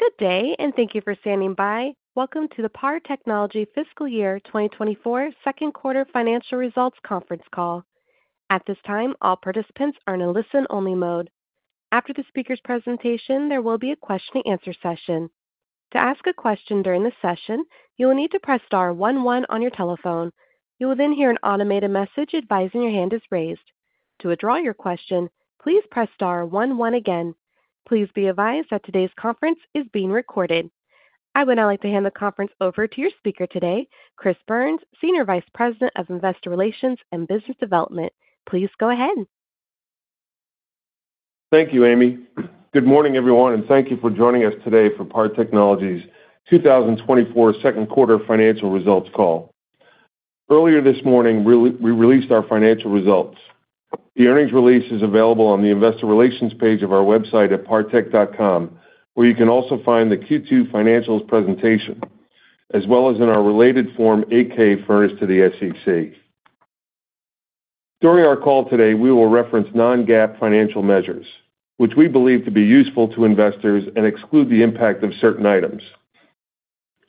Good day, and thank you for standing by. Welcome to the PAR Technology fiscal year 2024 second quarter financial results conference call. At this time, all participants are in a listen-only mode. After the speaker's presentation, there will be a question-and-answer session. To ask a question during this session, you will need to press star one one on your telephone. You will then hear an automated message advising your hand is raised. To withdraw your question, please press star one one again. Please be advised that today's conference is being recorded. I would now like to hand the conference over to your speaker today, Chris Byrnes, Senior Vice President of Investor Relations and Business Development. Please go ahead. Thank you, Amy. Good morning, everyone, and thank you for joining us today for PAR Technology's 2024 second quarter financial results call. Earlier this morning, we released our financial results. The earnings release is available on the investor relations page of our website at partech.com, where you can also find the Q2 financials presentation, as well as in our related Form 8-K furnished to the SEC. During our call today, we will reference non-GAAP financial measures, which we believe to be useful to investors and exclude the impact of certain items.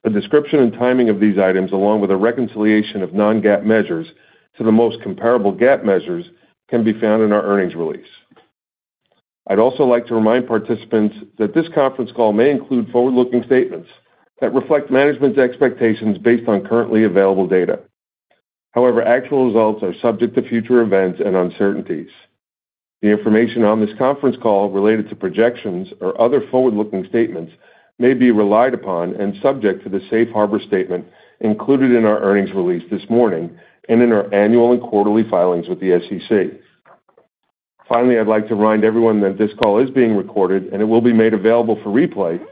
A description and timing of these items, along with a reconciliation of non-GAAP measures to the most comparable GAAP measures, can be found in our earnings release. I'd also like to remind participants that this conference call may include forward-looking statements that reflect management's expectations based on currently available data. However, actual results are subject to future events and uncertainties. The information on this conference call related to projections or other forward-looking statements may be relied upon and subject to the safe harbor statement included in our earnings release this morning and in our annual and quarterly filings with the SEC. Finally, I'd like to remind everyone that this call is being recorded, and it will be made available for replay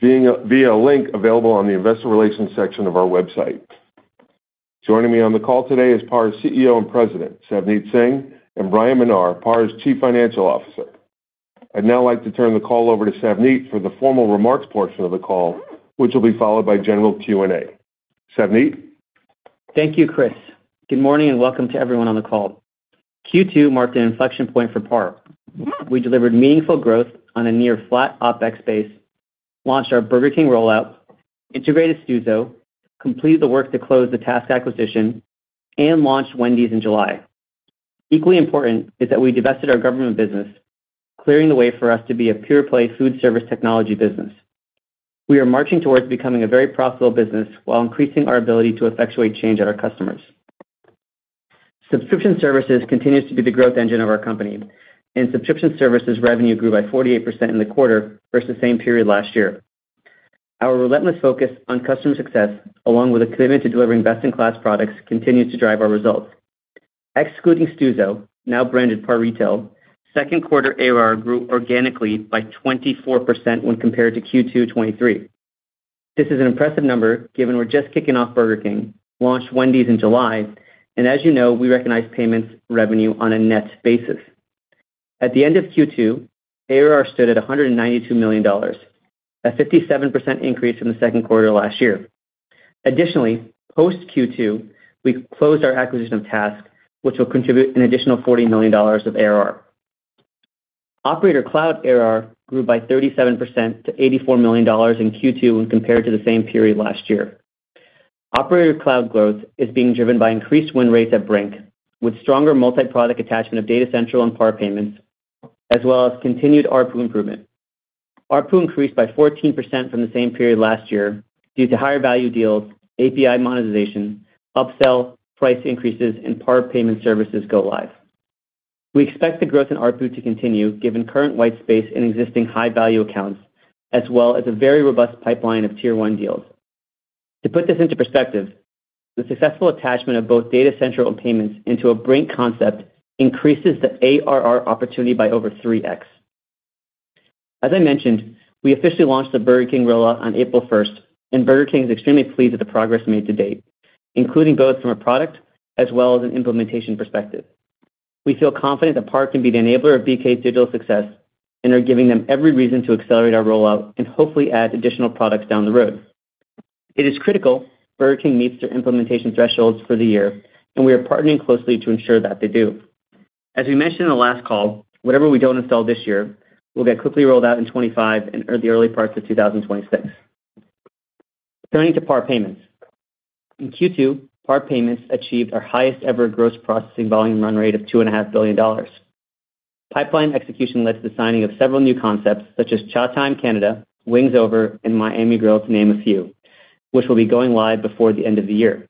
via a link available on the investor relations section of our website. Joining me on the call today is PAR's CEO and President, Savneet Singh, and Brian Menard, PAR's Chief Financial Officer. I'd now like to turn the call over to Savneet for the formal remarks portion of the call, which will be followed by general Q&A. Savneet? Thank you, Chris. Good morning, and welcome to everyone on the call. Q2 marked an inflection point for PAR. We delivered meaningful growth on a near flat OpEx base, launched our Burger King rollout, integrated Stuzo, completed the work to close the TASK acquisition, and launched Wendy's in July. Equally important is that we divested our government business, clearing the way for us to be a pure-play foodservice technology business. We are marching towards becoming a very profitable business while increasing our ability to effectuate change at our customers. Subscription services continues to be the growth engine of our company, and subscription services revenue grew by 48% in the quarter versus the same period last year. Our relentless focus on customer success, along with a commitment to delivering best-in-class products, continues to drive our results. Excluding Stuzo, now branded PAR Retail, second quarter ARR grew organically by 24% when compared to Q2 2023. This is an impressive number, given we're just kicking off Burger King, launched Wendy's in July, and as you know, we recognize payments revenue on a net basis. At the end of Q2, ARR stood at $192 million, a 57% increase from the second quarter last year. Additionally, post Q2, we closed our acquisition of TASK, which will contribute an additional $40 million of ARR. Operator Cloud ARR grew by 37% to $84 million in Q2 when compared to the same period last year. Operator Cloud growth is being driven by increased win rates at Brink, with stronger multi-product attachment of Data Central and PAR Payments, as well as continued ARPU improvement. ARPU increased by 14% from the same period last year due to higher value deals, API monetization, upsell, price increases, and PAR Payment Services go live. We expect the growth in ARPU to continue, given current white space in existing high-value accounts, as well as a very robust pipeline of tier one deals. To put this into perspective, the successful attachment of both Data Central and payments into a Brink concept increases the ARR opportunity by over 3x. As I mentioned, we officially launched the Burger King rollout on April 1st, and Burger King is extremely pleased with the progress made to date, including both from a product as well as an implementation perspective. We feel confident that PAR can be the enabler of BK's digital success and are giving them every reason to accelerate our rollout and hopefully add additional products down the road. It is critical Burger King meets their implementation thresholds for the year, and we are partnering closely to ensure that they do. As we mentioned in the last call, whatever we don't install this year will get quickly rolled out in 2025 and or the early parts of 2026. Turning to PAR Payments. In Q2, PAR Payments achieved our highest-ever gross processing volume run rate of $2.5 billion. Pipeline execution led to the signing of several new concepts, such as Chatime Canada, Wings Over, and Miami Grill, to name a few, which will be going live before the end of the year.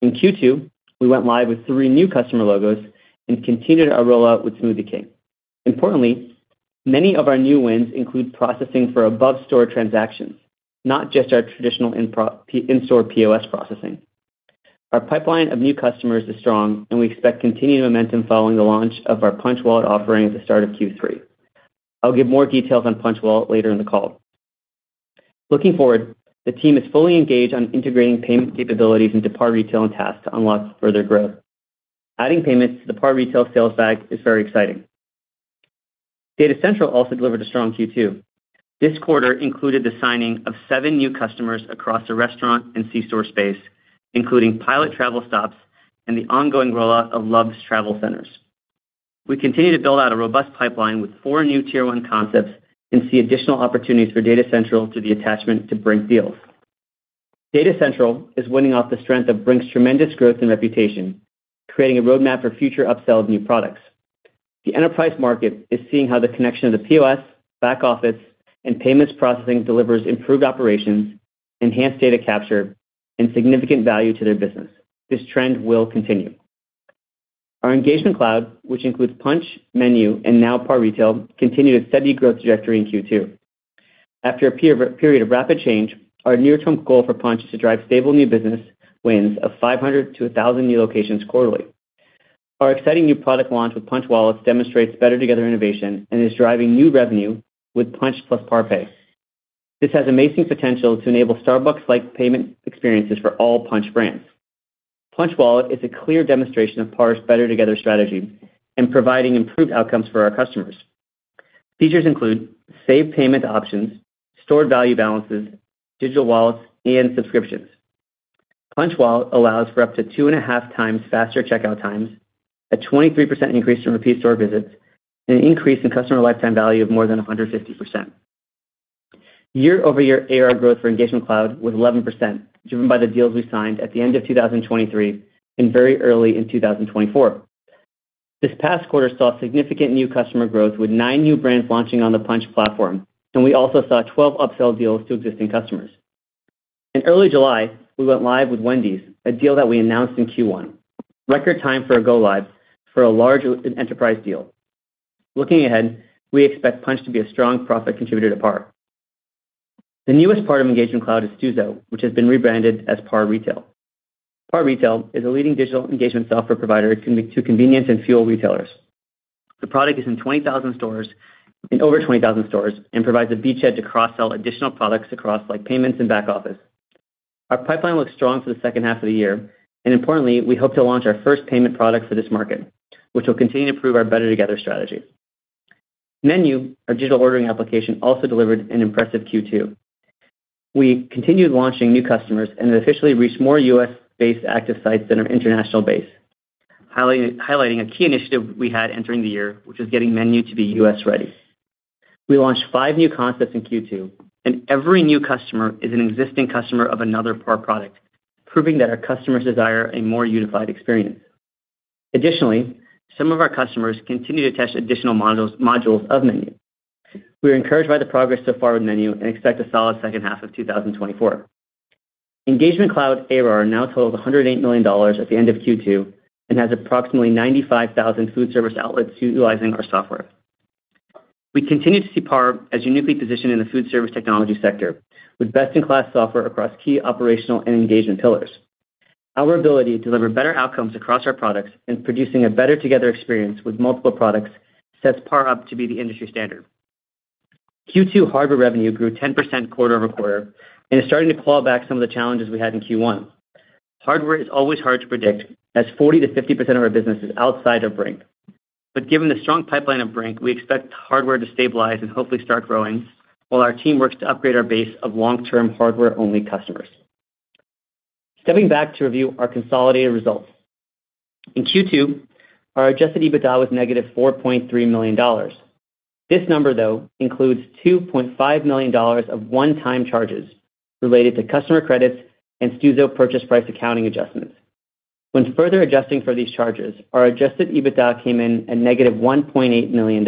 In Q2, we went live with three new customer logos and continued our rollout with Smoothie King. Importantly, many of our new wins include processing for above-store transactions, not just our traditional in-store POS processing. Our pipeline of new customers is strong, and we expect continued momentum following the launch of our Punchh Wallet offering at the start of Q3. I'll give more details on Punchh Wallet later in the call. Looking forward, the team is fully engaged on integrating payment capabilities into PAR Retail and TASK to unlock further growth. Adding payments to the PAR Retail sales bag is very exciting. Data Central also delivered a strong Q2. This quarter included the signing of seven new customers across the restaurant and C store space, including Pilot Travel Centers and the ongoing rollout of Love's Travel Centers. We continue to build out a robust pipeline with four new tier one concepts, and see additional opportunities for Data Central through the attachment to Brink deals. Data Central is winning off the strength of Brink's tremendous growth and reputation, creating a roadmap for future upsell of new products. The enterprise market is seeing how the connection of the POS, back office, and payments processing delivers improved operations, enhanced data capture, and significant value to their business. This trend will continue. Our Engagement Cloud, which includes Punchh, MENU, and now PAR Retail, continued a steady growth trajectory in Q2. After a period of rapid change, our near-term goal for Punchh is to drive stable new business wins of 500-1,000 new locations quarterly. Our exciting new product launch with Punchh Wallet demonstrates better together innovation and is driving new revenue with Punchh plus PAR Pay. This has amazing potential to enable Starbucks-like payment experiences for all Punchh brands. Punchh Wallet is a clear demonstration of PAR's better together strategy in providing improved outcomes for our customers. Features include saved payment options, stored value balances, digital wallets, and subscriptions. Punchh Wallet allows for up to 2.5 times faster checkout times, a 23% increase in repeat store visits, and an increase in customer lifetime value of more than 150%. Year-over-year ARR growth for Engagement Cloud was 11%, driven by the deals we signed at the end of 2023 and very early in 2024. This past quarter saw significant new customer growth, with nine new brands launching on the Punchh platform, and we also saw 12 upsell deals to existing customers. In early July, we went live with Wendy's, a deal that we announced in Q1. Record time for a go-live for a large enterprise deal. Looking ahead, we expect Punchh to be a strong profit contributor to PAR. The newest part of Engagement Cloud is Stuzo, which has been rebranded as PAR Retail. PAR Retail is a leading digital engagement software provider to convenience and fuel retailers. The product is in over 20,000 stores and provides a beachhead to cross-sell additional products across, like payments and back office. Our pipeline looks strong for the second half of the year, and importantly, we hope to launch our first payment product for this market, which will continue to prove our better together strategy. Menu, our digital ordering application, also delivered an impressive Q2. We continued launching new customers and officially reached more U.S.-based active sites than our international base, highlighting a key initiative we had entering the year, which was getting Menu to be U.S.-ready. We launched five new concepts in Q2, and every new customer is an existing customer of another PAR product, proving that our customers desire a more unified experience. Additionally, some of our customers continue to attach additional modules of MENU. We are encouraged by the progress so far with MENU and expect a solid second half of 2024. Engagement Cloud ARR now totals $108 million at the end of Q2 and has approximately 95,000 food service outlets utilizing our software. We continue to see PAR as uniquely positioned in the food service technology sector, with best-in-class software across key operational and engagement pillars. Our ability to deliver better outcomes across our products and producing a better together experience with multiple products sets PAR up to be the industry standard. Q2 hardware revenue grew 10% quarter-over-quarter and is starting to claw back some of the challenges we had in Q1. Hardware is always hard to predict, as 40%-50% of our business is outside of Brink. But given the strong pipeline of Brink, we expect hardware to stabilize and hopefully start growing while our team works to upgrade our base of long-term hardware-only customers. Stepping back to review our consolidated results. In Q2, our adjusted EBITDA was -$4.3 million. This number, though, includes $2.5 million of one-time charges related to customer credits and Stuzo purchase price accounting adjustments. When further adjusting for these charges, our adjusted EBITDA came in at -$1.8 million,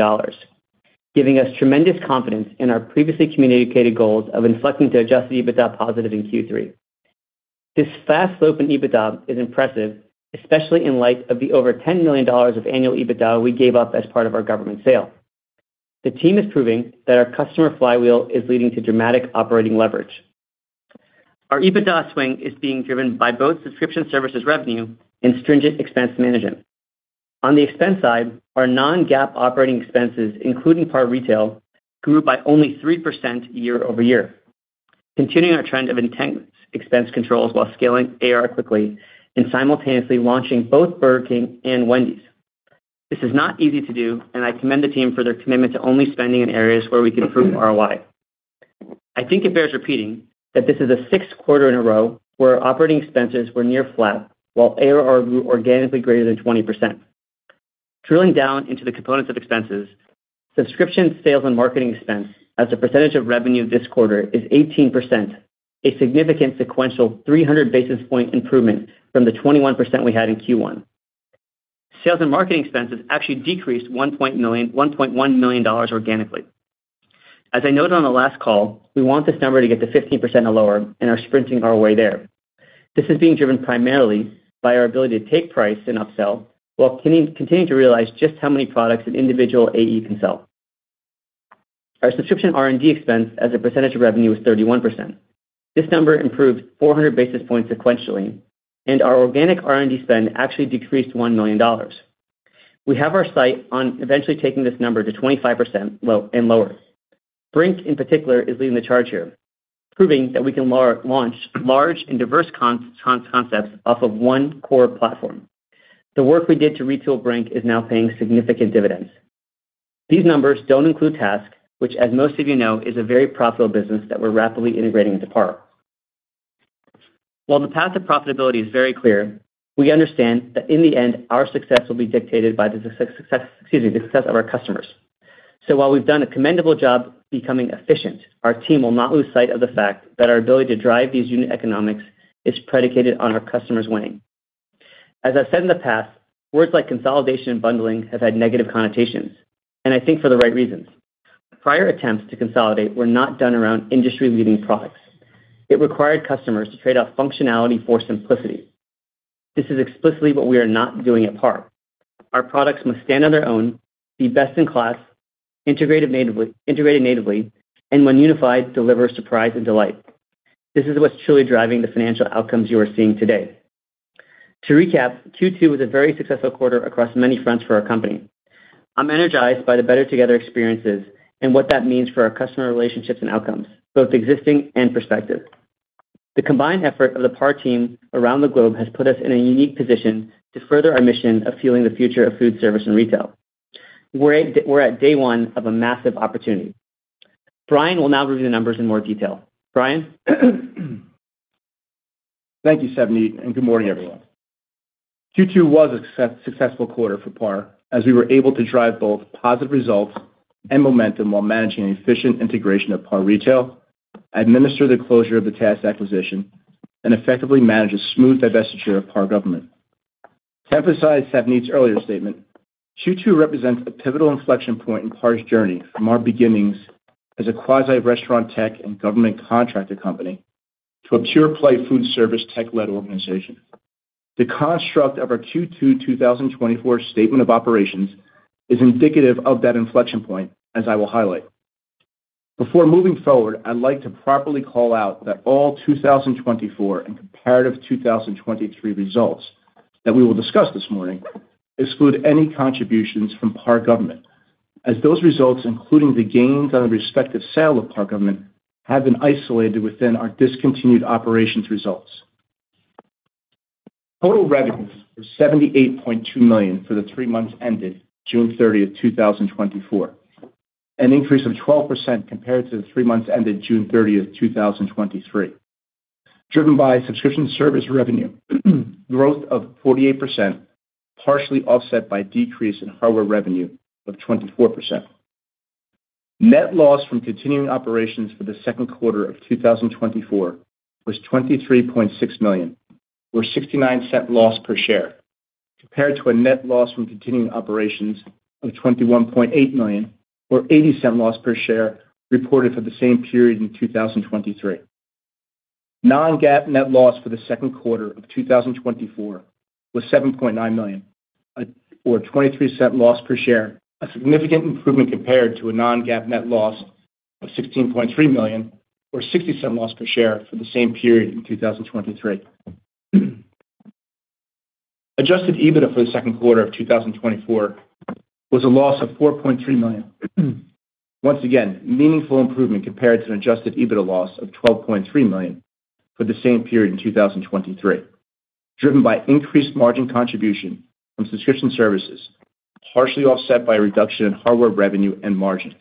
giving us tremendous confidence in our previously communicated goals of inflecting to adjusted EBITDA positive in Q3. This fast slope in EBITDA is impressive, especially in light of the over $10 million of annual EBITDA we gave up as part of our Government sale. The team is proving that our customer flywheel is leading to dramatic operating leverage. Our EBITDA swing is being driven by both subscription services revenue and stringent expense management. On the expense side, our non-GAAP operating expenses, including PAR Retail, grew by only 3% year-over-year, continuing our trend of intense expense controls while scaling ARR quickly and simultaneously launching both Burger King and Wendy's. This is not easy to do, and I commend the team for their commitment to only spending in areas where we can improve ROI. I think it bears repeating that this is the sixth quarter in a row where operating expenses were near flat, while ARR grew organically greater than 20%. Drilling down into the components of expenses, subscription, sales, and marketing expense as a percentage of revenue this quarter is 18%, a significant sequential 300 basis point improvement from the 21% we had in Q1. Sales and marketing expenses actually decreased $1.1 million organically. As I noted on the last call, we want this number to get to 15% or lower and are sprinting our way there. This is being driven primarily by our ability to take price and upsell, while continuing to realize just how many products an individual AE can sell. Our subscription R&D expense as a percentage of revenue is 31%. This number improved 400 basis points sequentially, and our organic R&D spend actually decreased $1 million. We have our sight on eventually taking this number to 25% and lower. Brink, in particular, is leading the charge here, proving that we can launch large and diverse concepts off of one core platform. The work we did to retool Brink is now paying significant dividends. These numbers don't include TASK, which, as most of you know, is a very profitable business that we're rapidly integrating into PAR. While the path to profitability is very clear, we understand that in the end, our success will be dictated by the success, excuse me, the success of our customers. So while we've done a commendable job becoming efficient, our team will not lose sight of the fact that our ability to drive these unit economics is predicated on our customers winning. As I've said in the past, words like consolidation and bundling have had negative connotations, and I think for the right reasons. Prior attempts to consolidate were not done around industry-leading products. It required customers to trade off functionality for simplicity. This is explicitly what we are not doing at PAR. Our products must stand on their own, be best in class, integrated natively, and when unified, deliver surprise and delight. This is what's truly driving the financial outcomes you are seeing today. To recap, Q2 was a very successful quarter across many fronts for our company. I'm energized by the better together experiences and what that means for our customer relationships and outcomes, both existing and prospective. The combined effort of the PAR team around the globe has put us in a unique position to further our mission of fueling the future of food service and retail. We're at day one of a massive opportunity. Brian will now review the numbers in more detail. Brian? Thank you, Savneet, and good morning, everyone. Q2 was a successful quarter for PAR, as we were able to drive both positive results and momentum while managing an efficient integration of PAR Retail, administer the closure of the TASK acquisition, and effectively manage a smooth divestiture of PAR Government. To emphasize Savneet's earlier statement, Q2 represents a pivotal inflection point in PAR's journey from our beginnings as a quasi-restaurant tech and government contractor company to a pure-play food service tech-led organization. The construct of our Q2 2024 statement of operations is indicative of that inflection point, as I will highlight. Before moving forward, I'd like to properly call out that all 2024 and comparative 2023 results that we will discuss this morning exclude any contributions from PAR Government, as those results, including the gains on the respective sale of PAR Government, have been isolated within our discontinued operations results. Total revenues were $78.2 million for the three months ended June 30, 2024, an increase of 12% compared to the three months ended June 30, 2023, driven by subscription service revenue growth of 48%, partially offset by decrease in hardware revenue of 24%. Net loss from continuing operations for the second quarter of 2024 was $23.6 million, or $0.69 loss per share, compared to a net loss from continuing operations of $21.8 million, or $0.80 loss per share, reported for the same period in 2023. Non-GAAP net loss for the second quarter of 2024 was $7.9 million, or $0.23 loss per share, a significant improvement compared to a non-GAAP net loss of $16.3 million, or $0.60 loss per share for the same period in 2023. Adjusted EBITDA for the second quarter of 2024 was a loss of $4.3 million. Once again, meaningful improvement compared to an adjusted EBITDA loss of $12.3 million for the same period in 2023, driven by increased margin contribution from subscription services, partially offset by a reduction in hardware revenue and margin.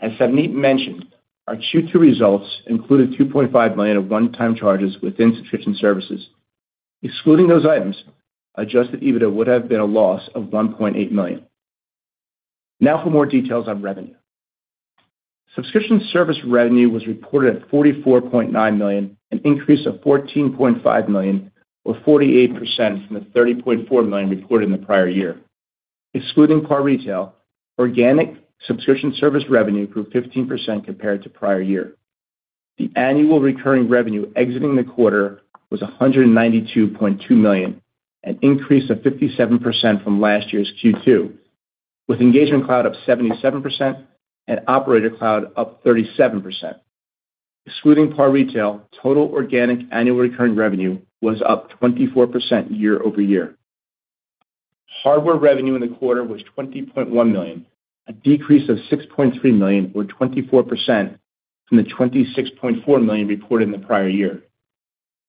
As Savneet mentioned, our Q2 results included $2.5 million of one-time charges within subscription services. Excluding those items, adjusted EBITDA would have been a loss of $1.8 million. Now for more details on revenue. Subscription service revenue was reported at $44.9 million, an increase of $14.5 million, or 48% from the $30.4 million reported in the prior year. Excluding PAR Retail, organic subscription service revenue grew 15% compared to prior year. The annual recurring revenue exiting the quarter was $192.2 million, an increase of 57% from last year's Q2, with Engagement Cloud up 77% and Operator Cloud up 37%. Excluding PAR Retail, total organic annual recurring revenue was up 24% year-over-year. Hardware revenue in the quarter was $20.1 million, a decrease of $6.3 million, or 24%, from the $26.4 million reported in the prior year.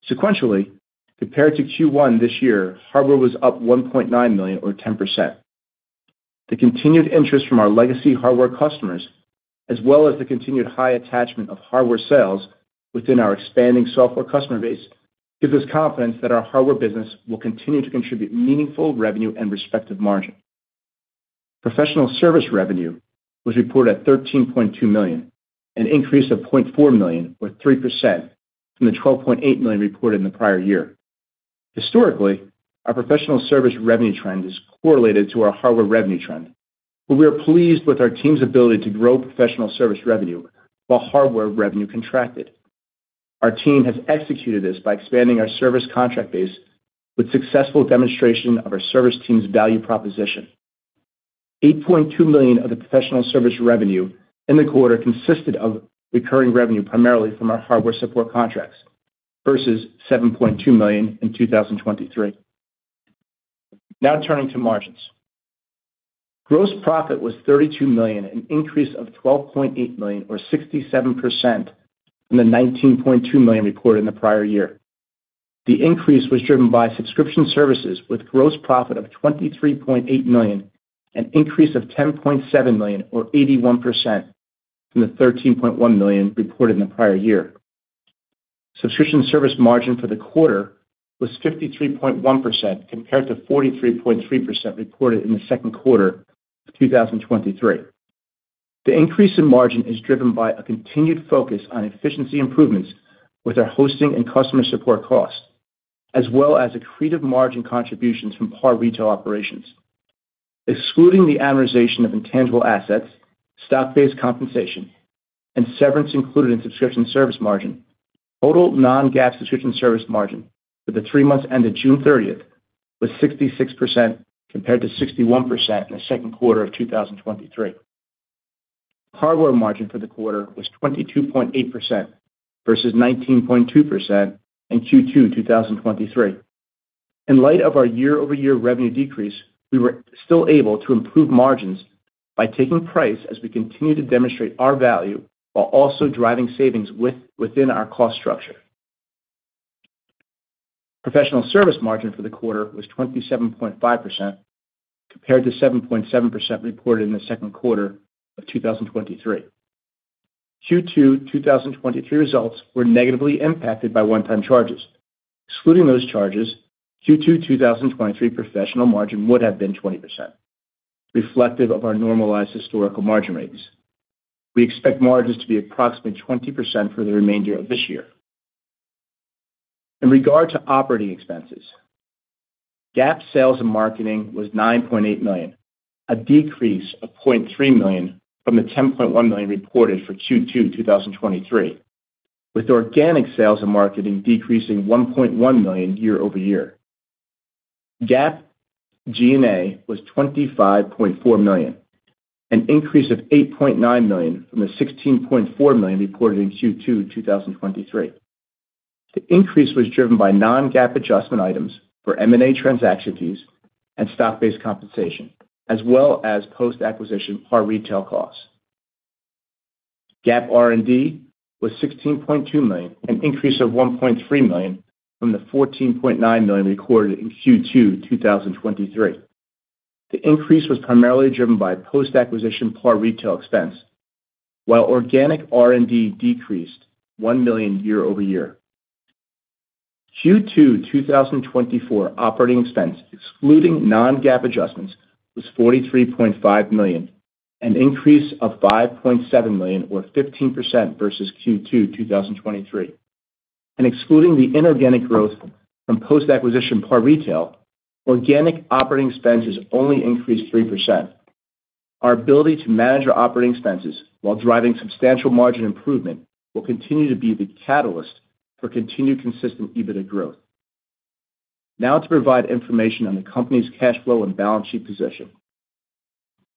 Sequentially, compared to Q1 this year, hardware was up $1.9 million, or 10%. The continued interest from our legacy hardware customers, as well as the continued high attachment of hardware sales within our expanding software customer base, gives us confidence that our hardware business will continue to contribute meaningful revenue and respective margin. Professional service revenue was reported at $13.2 million, an increase of $0.4 million, or 3%, from the $12.8 million reported in the prior year. Historically, our professional service revenue trend is correlated to our hardware revenue trend, but we are pleased with our team's ability to grow professional service revenue while hardware revenue contracted. Our team has executed this by expanding our service contract base with successful demonstration of our service team's value proposition. $8.2 million of the professional service revenue in the quarter consisted of recurring revenue, primarily from our hardware support contracts, versus $7.2 million in 2023. Now turning to margins. Gross profit was $32 million, an increase of $12.8 million, or 67%, from the $19.2 million reported in the prior year. The increase was driven by subscription services with gross profit of $23.8 million, an increase of $10.7 million, or 81% from the $13.1 million reported in the prior year. Subscription service margin for the quarter was 53.1%, compared to 43.3% reported in the second quarter of 2023. The increase in margin is driven by a continued focus on efficiency improvements with our hosting and customer support costs, as well as accretive margin contributions from PAR Retail operations. Excluding the amortization of intangible assets, stock-based compensation, and severance included in subscription service margin, total non-GAAP subscription service margin for the three months ended June 30th was 66%, compared to 61% in the second quarter of 2023. Hardware margin for the quarter was 22.8% versus 19.2% in Q2, 2023. In light of our year-over-year revenue decrease, we were still able to improve margins by taking price as we continue to demonstrate our value, while also driving savings within our cost structure. Professional service margin for the quarter was 27.5%, compared to 7.7% reported in the second quarter of 2023. Q2 2023 results were negatively impacted by one-time charges. Excluding those charges, Q2 2023 professional margin would have been 20%, reflective of our normalized historical margin rates. We expect margins to be approximately 20% for the remainder of this year. In regard to operating expenses, GAAP sales and marketing was $9.8 million, a decrease of $0.3 million from the $10.1 million reported for Q2 2023, with organic sales and marketing decreasing $1.1 million year-over-year. GAAP G&A was $25.4 million, an increase of $8.9 million from the $16.4 million reported in Q2 2023. The increase was driven by non-GAAP adjustment items for M&A transaction fees and stock-based compensation, as well as post-acquisition PAR Retail costs. GAAP R&D was $16.2 million, an increase of $1.3 million from the $14.9 million recorded in Q2 2023. The increase was primarily driven by post-acquisition PAR Retail expense, while organic R&D decreased $1 million year-over-year. Q2 2024 operating expense, excluding non-GAAP adjustments, was $43.5 million, an increase of $5.7 million, or 15%, versus Q2 2023. Excluding the inorganic growth from post-acquisition PAR Retail, organic operating expenses only increased 3%. Our ability to manage our operating expenses while driving substantial margin improvement will continue to be the catalyst for continued consistent EBITDA growth. Now to provide information on the company's cash flow and balance sheet position.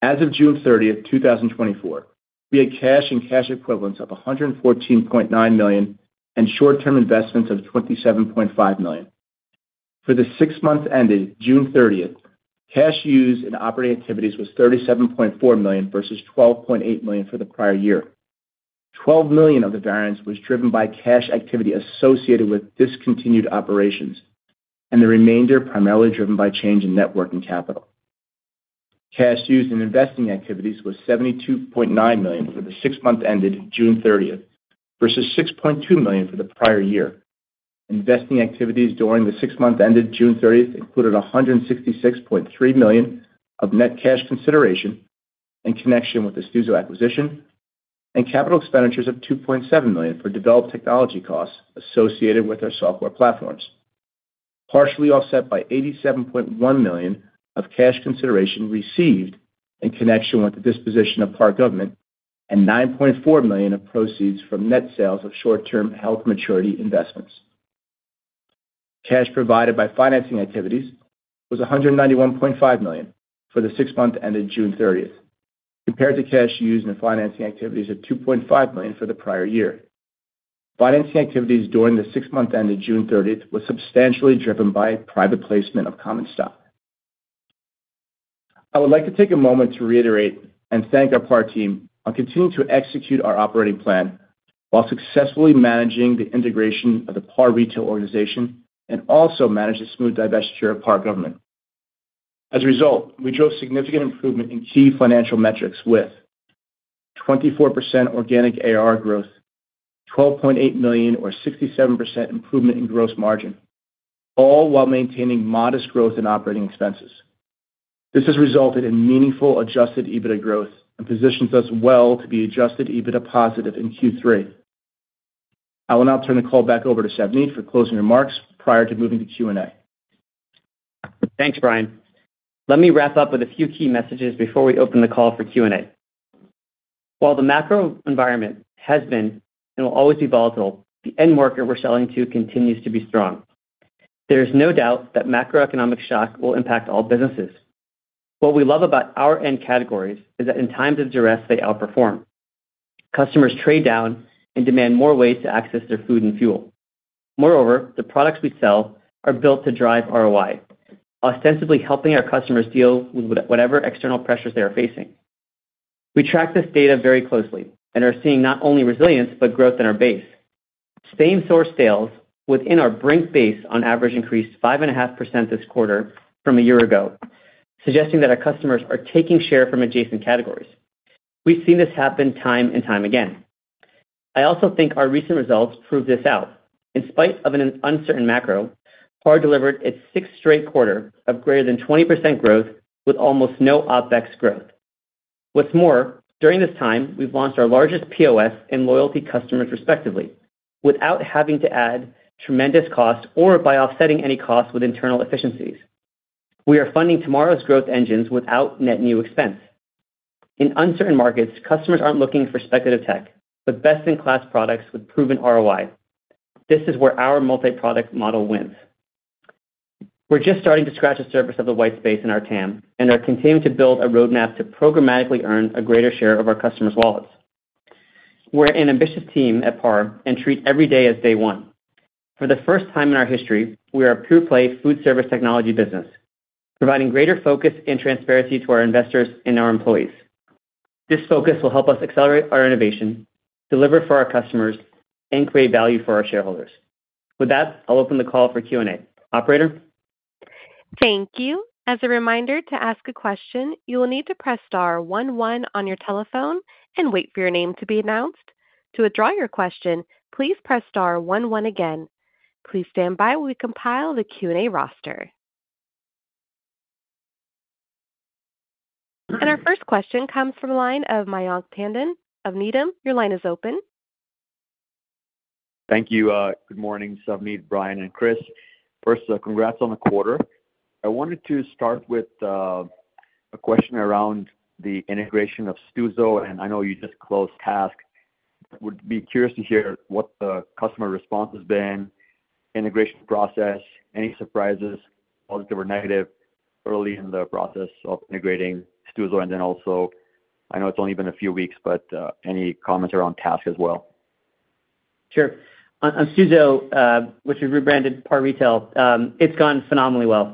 As of June 30, 2024, we had cash and cash equivalents of $114.9 million, and short-term investments of $27.5 million. For the six months ended June 30, cash used in operating activities was $37.4 million versus $12.8 million for the prior year. $12 million of the variance was driven by cash activity associated with discontinued operations, and the remainder primarily driven by change in net working capital. Cash used in investing activities was $72.9 million for the six months ended June 30, versus $6.2 million for the prior year. Investing activities during the six months ended June 30 included $166.3 million of net cash consideration in connection with the Stuzo acquisition, and capital expenditures of $2.7 million for developed technology costs associated with our software platforms, partially offset by $87.1 million of cash consideration received in connection with the disposition of PAR Government, and $9.4 million of proceeds from net sales of short-term held-to-maturity investments. Cash provided by financing activities was $191.5 million for the six months ended June 30th, compared to cash used in financing activities of $2.5 million for the prior year. Financing activities during the six months ended June 30 was substantially driven by private placement of common stock. I would like to take a moment to reiterate and thank our PAR team on continuing to execute our operating plan while successfully managing the integration of the PAR Retail organization, and also manage the smooth divestiture of PAR Government. As a result, we drove significant improvement in key financial metrics with 24% organic AR growth, $12.8 million, or 67% improvement in gross margin, all while maintaining modest growth in operating expenses. This has resulted in meaningful adjusted EBITDA growth and positions us well to be adjusted EBITDA positive in Q3. I will now turn the call back over to Savneet for closing remarks prior to moving to Q&A. Thanks, Brian. Let me wrap up with a few key messages before we open the call for Q&A. While the macro environment has been, and will always be volatile, the end market we're selling to continues to be strong. There is no doubt that macroeconomic shock will impact all businesses. What we love about our end categories is that in times of duress, they outperform. Customers trade down and demand more ways to access their food and fuel. Moreover, the products we sell are built to drive ROI, ostensibly helping our customers deal with whatever external pressures they are facing. We track this data very closely and are seeing not only resilience, but growth in our base. Same-store sales within our Brink base on average increased 5.5% this quarter from a year ago, suggesting that our customers are taking share from adjacent categories. We've seen this happen time and time again. I also think our recent results prove this out. In spite of an uncertain macro, PAR delivered its sixth straight quarter of greater than 20% growth with almost no OpEx growth. What's more, during this time, we've launched our largest POS and loyalty customers respectively, without having to add tremendous costs or by offsetting any costs with internal efficiencies. We are funding tomorrow's growth engines without net new expense. In uncertain markets, customers aren't looking for speculative tech, but best-in-class products with proven ROI. This is where our multi-product model wins. We're just starting to scratch the surface of the white space in our TAM, and are continuing to build a roadmap to programmatically earn a greater share of our customers' wallets. We're an ambitious team at PAR and treat every day as day one. For the first time in our history, we are a pure-play food service technology business, providing greater focus and transparency to our investors and our employees. This focus will help us accelerate our innovation, deliver for our customers, and create value for our shareholders. With that, I'll open the call for Q&A. Operator? Thank you. As a reminder, to ask a question, you will need to press star one one on your telephone and wait for your name to be announced. To withdraw your question, please press star one one again. Please stand by. We compile the Q&A roster. Our first question comes from the line of Mayank Tandon of Needham. Your line is open. Thank you. Good morning, Savneet, Brian, and Chris. First, congrats on the quarter. I wanted to start with a question around the integration of Stuzo, and I know you just closed TASK. Would be curious to hear what the customer response has been, integration process, any surprises, positive or negative, early in the process of integrating Stuzo? And then also, I know it's only been a few weeks, but any comments around TASK as well? Sure. On Stuzo, which we've rebranded PAR Retail, it's gone phenomenally well.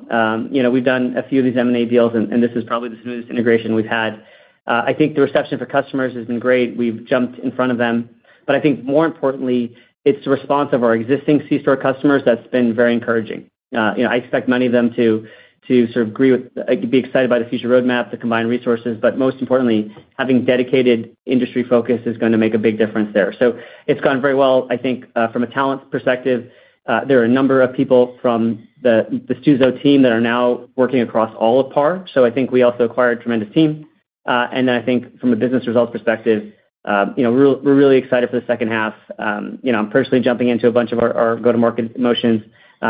You know, we've done a few of these M&A deals, and this is probably the smoothest integration we've had. I think the reception for customers has been great. We've jumped in front of them, but I think more importantly, it's the response of our existing C-store customers that's been very encouraging. You know, I expect many of them to be excited about the future roadmap, the combined resources, but most importantly, having dedicated industry focus is gonna make a big difference there. So it's gone very well. I think, from a talent perspective, there are a number of people from the Stuzo team that are now working across all of PAR, so I think we also acquired a tremendous team. And then I think from a business results perspective, you know, we're really excited for the second half. You know, I'm personally jumping into a bunch of our go-to-market motions.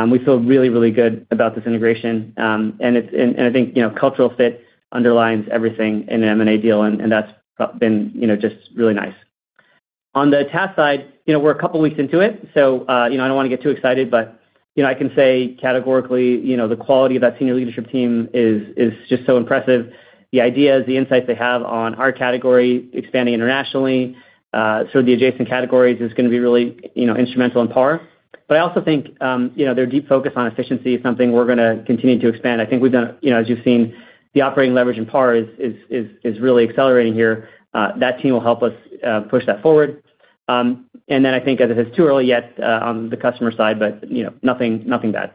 We feel really, really good about this integration, and it's, and I think, you know, cultural fit underlines everything in an M&A deal, and that's proven, you know, just really nice. On the TASK side, you know, we're a couple of weeks into it, so, you know, I don't want to get too excited, but, you know, I can say categorically, you know, the quality of that senior leadership team is just so impressive. The ideas, the insights they have on our category, expanding internationally, so the adjacent categories is gonna be really, you know, instrumental in PAR. But I also think, you know, their deep focus on efficiency is something we're gonna continue to expand. I think we've done, you know, as you've seen, the operating leverage in PAR is really accelerating here. That team will help us push that forward. And then I think, as I said, it's too early yet on the customer side, but, you know, nothing, nothing bad.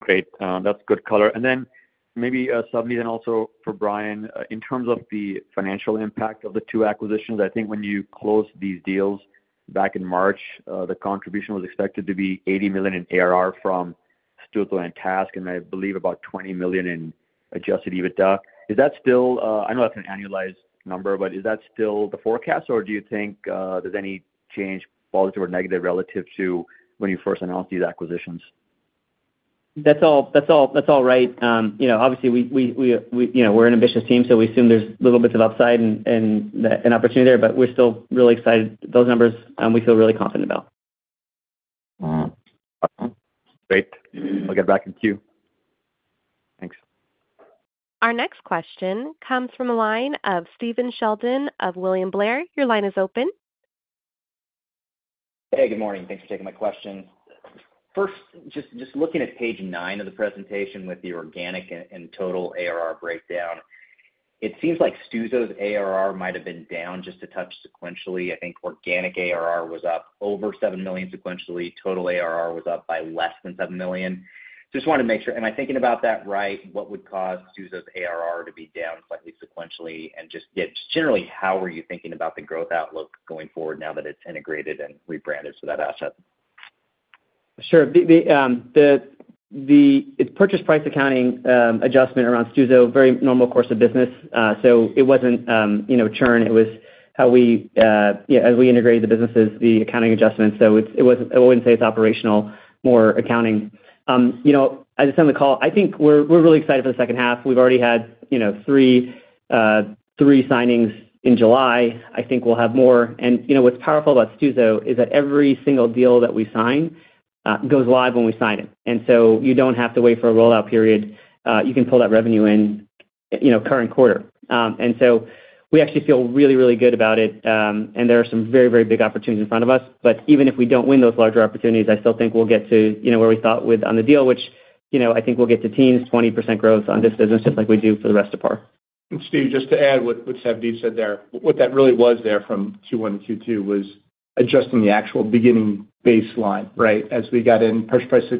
Great. That's good color. And then maybe, Savneet and also for Brian, in terms of the financial impact of the two acquisitions, I think when you closed these deals back in March, the contribution was expected to be $80 million in ARR from Stuzo and TASK, and I believe about $20 million in adjusted EBITDA. Is that still, I know that's an annualized number, but is that still the forecast, or do you think, there's any change, positive or negative, relative to when you first announced these acquisitions? That's all right. You know, obviously, you know, we're an ambitious team, so we assume there's little bits of upside and an opportunity there, but we're still really excited. Those numbers, we feel really confident about. Mm-hmm. Awesome. Great. I'll get back in queue. Thanks. Our next question comes from the line of Steven Sheldon of William Blair. Your line is open. Hey, good morning. Thanks for taking my questions. First, just looking at page nine of the presentation with the organic and total ARR breakdown, it seems like Stuzo's ARR might have been down just a touch sequentially. I think organic ARR was up over $7 million sequentially. Total ARR was up by less than $7 million. Just wanted to make sure, am I thinking about that right? What would cause Stuzo's ARR to be down slightly sequentially, and just, yeah, just generally, how were you thinking about the growth outlook going forward now that it's integrated and rebranded to that asset? Sure. The purchase price accounting adjustment around Stuzo, very normal course of business. So it wasn't, you know, churn, it was how, as we integrated the businesses, the accounting adjustments. So it was. I wouldn't say it's operational, more accounting. You know, as I said on the call, I think we're really excited for the second half. We've already had, you know, three signings in July. I think we'll have more. And, you know, what's powerful about Stuzo is that every single deal that we sign goes live when we sign it. And so you don't have to wait for a rollout period, you can pull that revenue in, you know, current quarter. And so we actually feel really, really good about it, and there are some very, very big opportunities in front of us. But even if we don't win those larger opportunities, I still think we'll get to, you know, where we thought with on the deal, which, you know, I think we'll get to teens, 20% growth on this business, just like we do for the rest of PAR. And Steve, just to add what, what Savneet said there, what that really was there from Q1 to Q2 was adjusting the actual beginning baseline, right? As we got in purchase price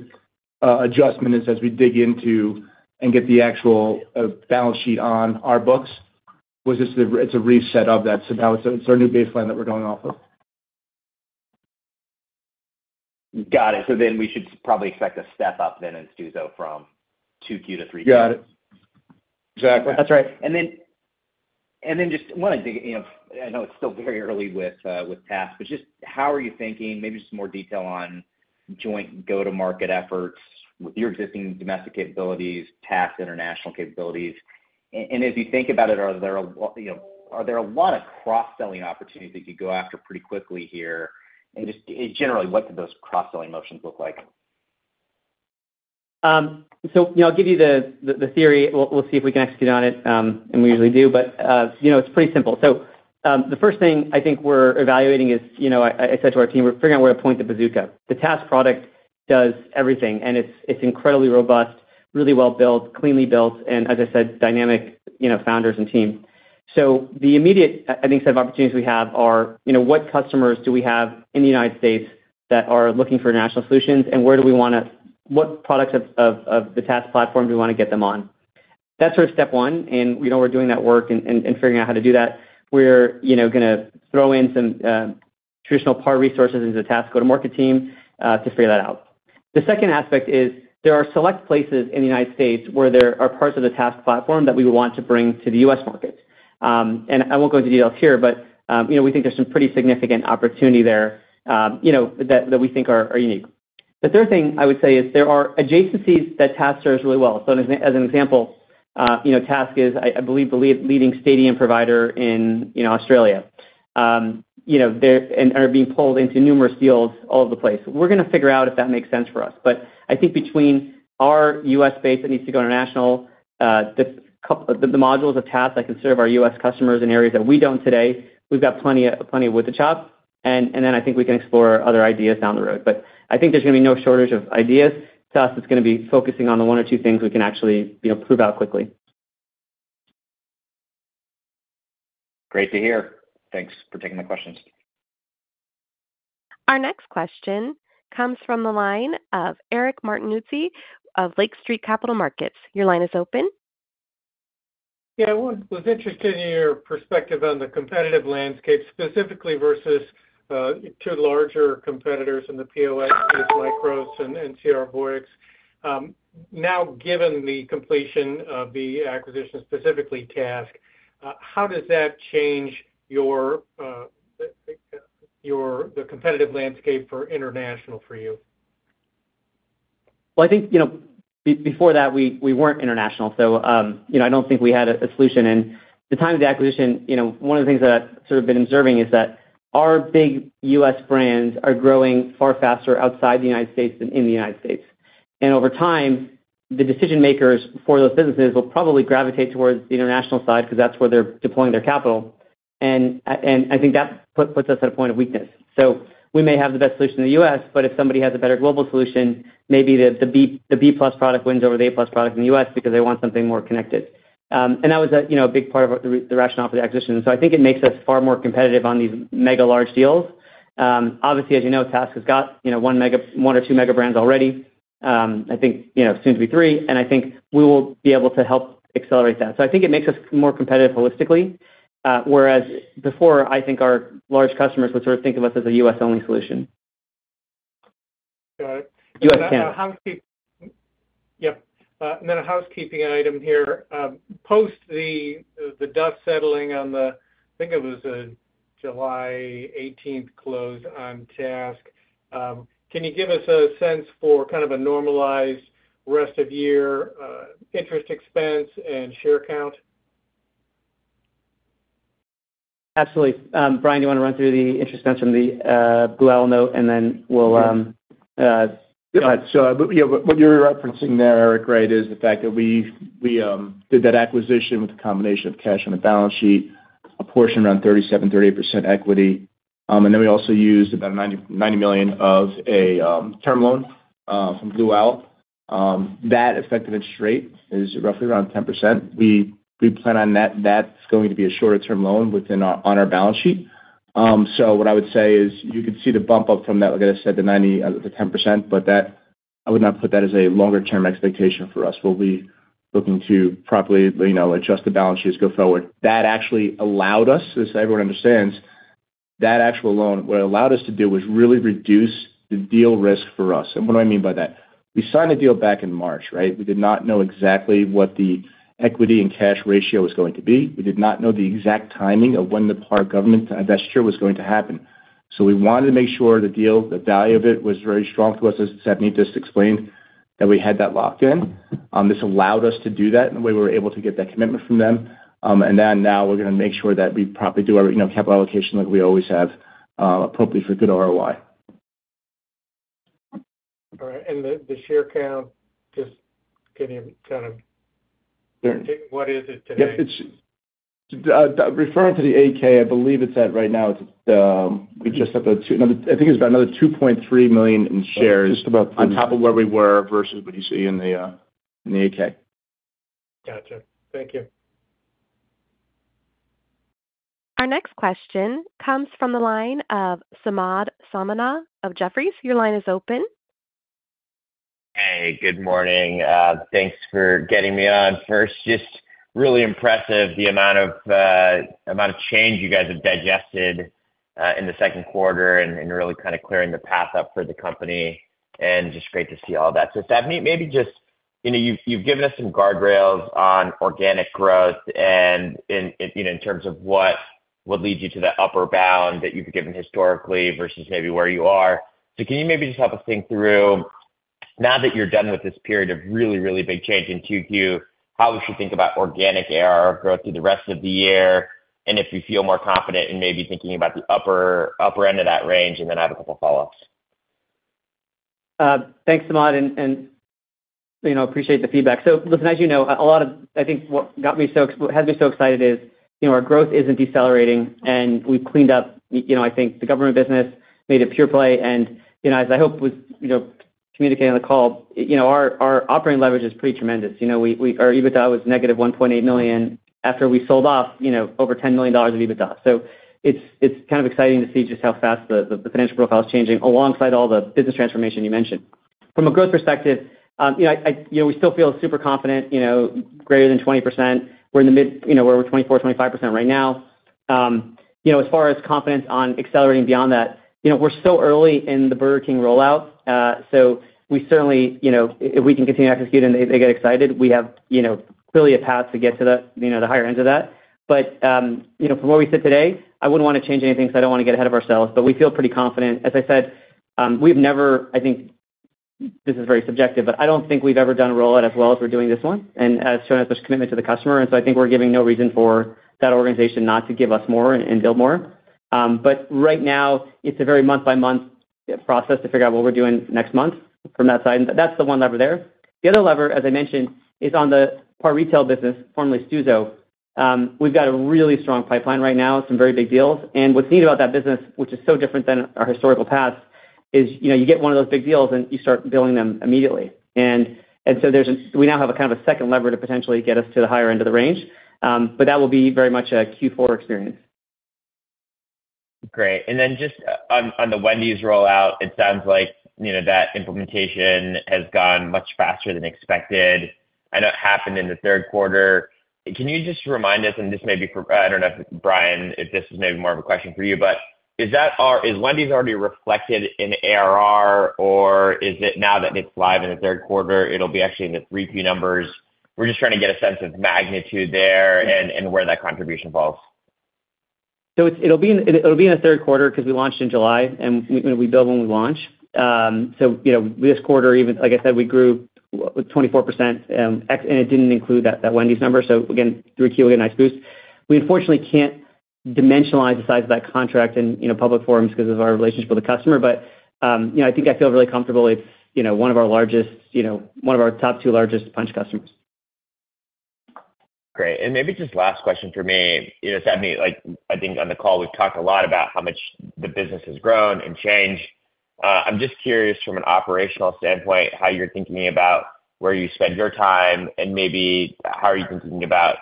adjustment as we dig into and get the actual balance sheet on our books, was just the it's a reset of that. So now it's, it's our new baseline that we're going off of. Got it. So then we should probably expect a step up then in Stuzo from 2Q to 3Q? Got it. Exactly. That's right. And then just wanted to, you know, I know it's still very early with TASK, but just how are you thinking, maybe just some more detail on joint go-to-market efforts with your existing domestic capabilities, TASK international capabilities. And as you think about it, are there, you know, a lot of cross-selling opportunities that you go after pretty quickly here? And just, generally, what do those cross-selling motions look like? So, you know, I'll give you the theory. We'll see if we can execute on it, and we usually do. But, you know, it's pretty simple. So, the first thing I think we're evaluating is, you know, I said to our team, we're figuring out where to point the bazooka. The TASK product does everything, and it's incredibly robust, really well built, cleanly built, and as I said, dynamic, you know, founders and team. So the immediate, I think, set of opportunities we have are, you know, what customers do we have in the United States that are looking for national solutions, and where do we wanna-- what products of the TASK platform do we wanna get them on? That's sort of step one, and we know we're doing that work and figuring out how to do that. We're, you know, gonna throw in some traditional PAR resources into the TASK go-to-market team to figure that out. The second aspect is there are select places in the United States where there are parts of the TASK platform that we would want to bring to the US market. And I won't go into details here, but you know, we think there's some pretty significant opportunity there, you know, that we think are unique. The third thing I would say is there are adjacencies that TASK serves really well. So as an example, you know, TASK is, I believe, the leading stadium provider in, you know, Australia. You know, they're and are being pulled into numerous deals all over the place. We're gonna figure out if that makes sense for us. But I think between our U.S. base that needs to go international, the modules of TASK that can serve our U.S. customers in areas that we don't today, we've got plenty of wood to chop, and then I think we can explore other ideas down the road. But I think there's gonna be no shortage of ideas. TASK is gonna be focusing on the one or two things we can actually, you know, prove out quickly. Great to hear. Thanks for taking the questions. Our next question comes from the line of Eric Martinuzzi of Lake Street Capital Markets. Your line is open. Yeah, I was interested in your perspective on the competitive landscape, specifically versus two larger competitors in the POS, Micros and NCR Voyix. Now, given the completion of the acquisition, specifically TASK, how does that change the competitive landscape for international for you? Well, I think, you know, before that, we weren't international. So, you know, I don't think we had a solution. At the time of the acquisition, you know, one of the things that I've sort of been observing is that our big U.S. brands are growing far faster outside the United States than in the United States. And over time, the decision makers for those businesses will probably gravitate towards the international side, because that's where they're deploying their capital. And I think that puts us at a point of weakness. So we may have the best solution in the U.S., but if somebody has a better global solution, maybe the B, the B+ product wins over the A+ product in the U.S. because they want something more connected. And that was a, you know, a big part of the re- the rationale for the acquisition. So I think it makes us far more competitive on these mega large deals. Obviously, as you know, TASK has got, you know, one or two mega brands already. I think, you know, soon to be three, and I think we will be able to help accelerate that. So I think it makes us more competitive holistically, whereas before, I think our large customers would sort of think of us as a U.S.-only solution. Got it. US 10. Yep. And then a housekeeping item here, post the dust settling on the, I think it was a July 18th close on TASK, can you give us a sense for kind of a normalized rest of year, interest expense and share count? Absolutely. Brian, do you wanna run through the interest expense from the Blue Owl note, and then we'll Yeah, so, you know, what you're referencing there, Eric, right, is the fact that we did that acquisition with a combination of cash on the balance sheet, a portion around 37%-38% equity. And then we also used about $90 million of a term loan from Blue Owl. That effective interest rate is roughly around 10%. We plan on that, that's going to be a shorter-term loan within our balance sheet. So what I would say is you could see the bump up from that, like I said, the $90, the 10%, but that, I would not put that as a longer-term expectation for us. We'll be looking to properly, you know, adjust the balance sheets go forward. That actually allowed us, as everyone understands, that actual loan, what it allowed us to do was really reduce the deal risk for us. And what do I mean by that? We signed a deal back in March, right? We did not know exactly what the equity and cash ratio was going to be. We did not know the exact timing of when the PAR Government divestiture was going to happen. So we wanted to make sure the deal, the value of it, was very strong to us, as Savneet just explained, that we had that locked in. This allowed us to do that, and we were able to get that commitment from them. And then now we're gonna make sure that we properly do our, you know, capital allocation like we always have, appropriately for good ROI. All right. And the share count, just can you kind of Sure. What is it today? referring to the AK, I believe it's at right now, it's, we just have about two, I think it's about another 2.3 million in shares Just about two on top of where we were versus what you see in the 10-K. Gotcha. Thank you. Our next question comes from the line of Samad Samana of Jefferies. Your line is open. Hey, good morning. Thanks for getting me on. First, just really impressive, the amount of change you guys have digested in the second quarter and really kind of clearing the path up for the company, and just great to see all that. So, Seth, maybe just, you know, you've given us some guardrails on organic growth and in, you know, in terms of what would lead you to the upper bound that you've given historically versus maybe where you are. So can you maybe just help us think through, now that you're done with this period of really, really big change in Q2, how we should think about organic ARR growth through the rest of the year, and if you feel more confident in maybe thinking about the upper end of that range, and then I have a couple follow-ups. Thanks, Samad, and you know, appreciate the feedback. So listen, as you know, a lot of, I think what has me so excited is, you know, our growth isn't decelerating, and we've cleaned up, you know, I think the government business, made it pure play. And, you know, as I hope was, you know, communicated on the call, you know, our operating leverage is pretty tremendous. You know, our EBITDA was negative $1.8 million after we sold off, you know, over $10 million of EBITDA. So it's kind of exciting to see just how fast the financial profile is changing alongside all the business transformation you mentioned. From a growth perspective, you know, we still feel super confident, you know, greater than 20%. We're in the mid, you know, we're at 24, 25% right now. You know, as far as confidence on accelerating beyond that, you know, we're still early in the Burger King rollout, so we certainly, you know, if we can continue to execute and they, they get excited, we have, you know, clearly a path to get to the, you know, the higher ends of that. But, you know, from where we sit today, I wouldn't wanna change anything because I don't wanna get ahead of ourselves, but we feel pretty confident. As I said, we've never, I think this is very subjective, but I don't think we've ever done a rollout as well as we're doing this one, and, showing as much commitment to the customer. And so I think we're giving no reason for that organization not to give us more and, and build more. But right now, it's a very month-by-month process to figure out what we're doing next month from that side. And that's the one lever there. The other lever, as I mentioned, is on the PAR Retail business, formerly Stuzo. We've got a really strong pipeline right now, some very big deals. And what's neat about that business, which is so different than our historical past, is, you know, you get one of those big deals, and you start billing them immediately. And so there's a kind of a second lever to potentially get us to the higher end of the range, but that will be very much a Q4 experience. Great. And then just on the Wendy's rollout, it sounds like, you know, that implementation has gone much faster than expected. I know it happened in the third quarter. Can you just remind us, and this may be for, I don't know if, Brian, if this is maybe more of a question for you, but is Wendy's already reflected in ARR, or is it now that it's live in the third quarter, it'll be actually in the 3Q numbers? We're just trying to get a sense of magnitude there and where that contribution falls. So it'll be in, it'll be in the third quarter because we launched in July, and we, we bill when we launch. So, you know, this quarter, even, like I said, we grew 24%, and it didn't include that, that Wendy's number. So again, 3Q will be a nice boost. We unfortunately can't dimensionalize the size of that contract in, you know, public forums because of our relationship with the customer, but, you know, I think I feel really comfortable it's, you know, one of our largest, you know, one of our top two largest Punchh customers. Great. And maybe just last question for me, you know, Seth, I mean, like, I think on the call, we've talked a lot about how much the business has grown and changed. I'm just curious from an operational standpoint, how you're thinking about where you spend your time, and maybe how are you thinking about,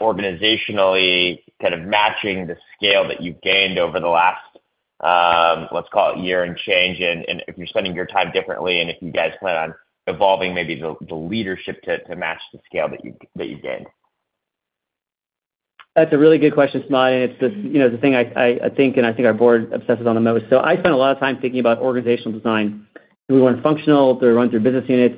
organizationally kind of matching the scale that you've gained over the last, let's call it year and change, and, and if you're spending your time differently, and if you guys plan on evolving maybe the, the leadership to, to match the scale that you, that you gained? That's a really good question, Samad, and it's the, you know, the thing I, I, I think, and I think our board obsesses on the most. So I spend a lot of time thinking about organizational design. Do we run functional? Do we run through business units?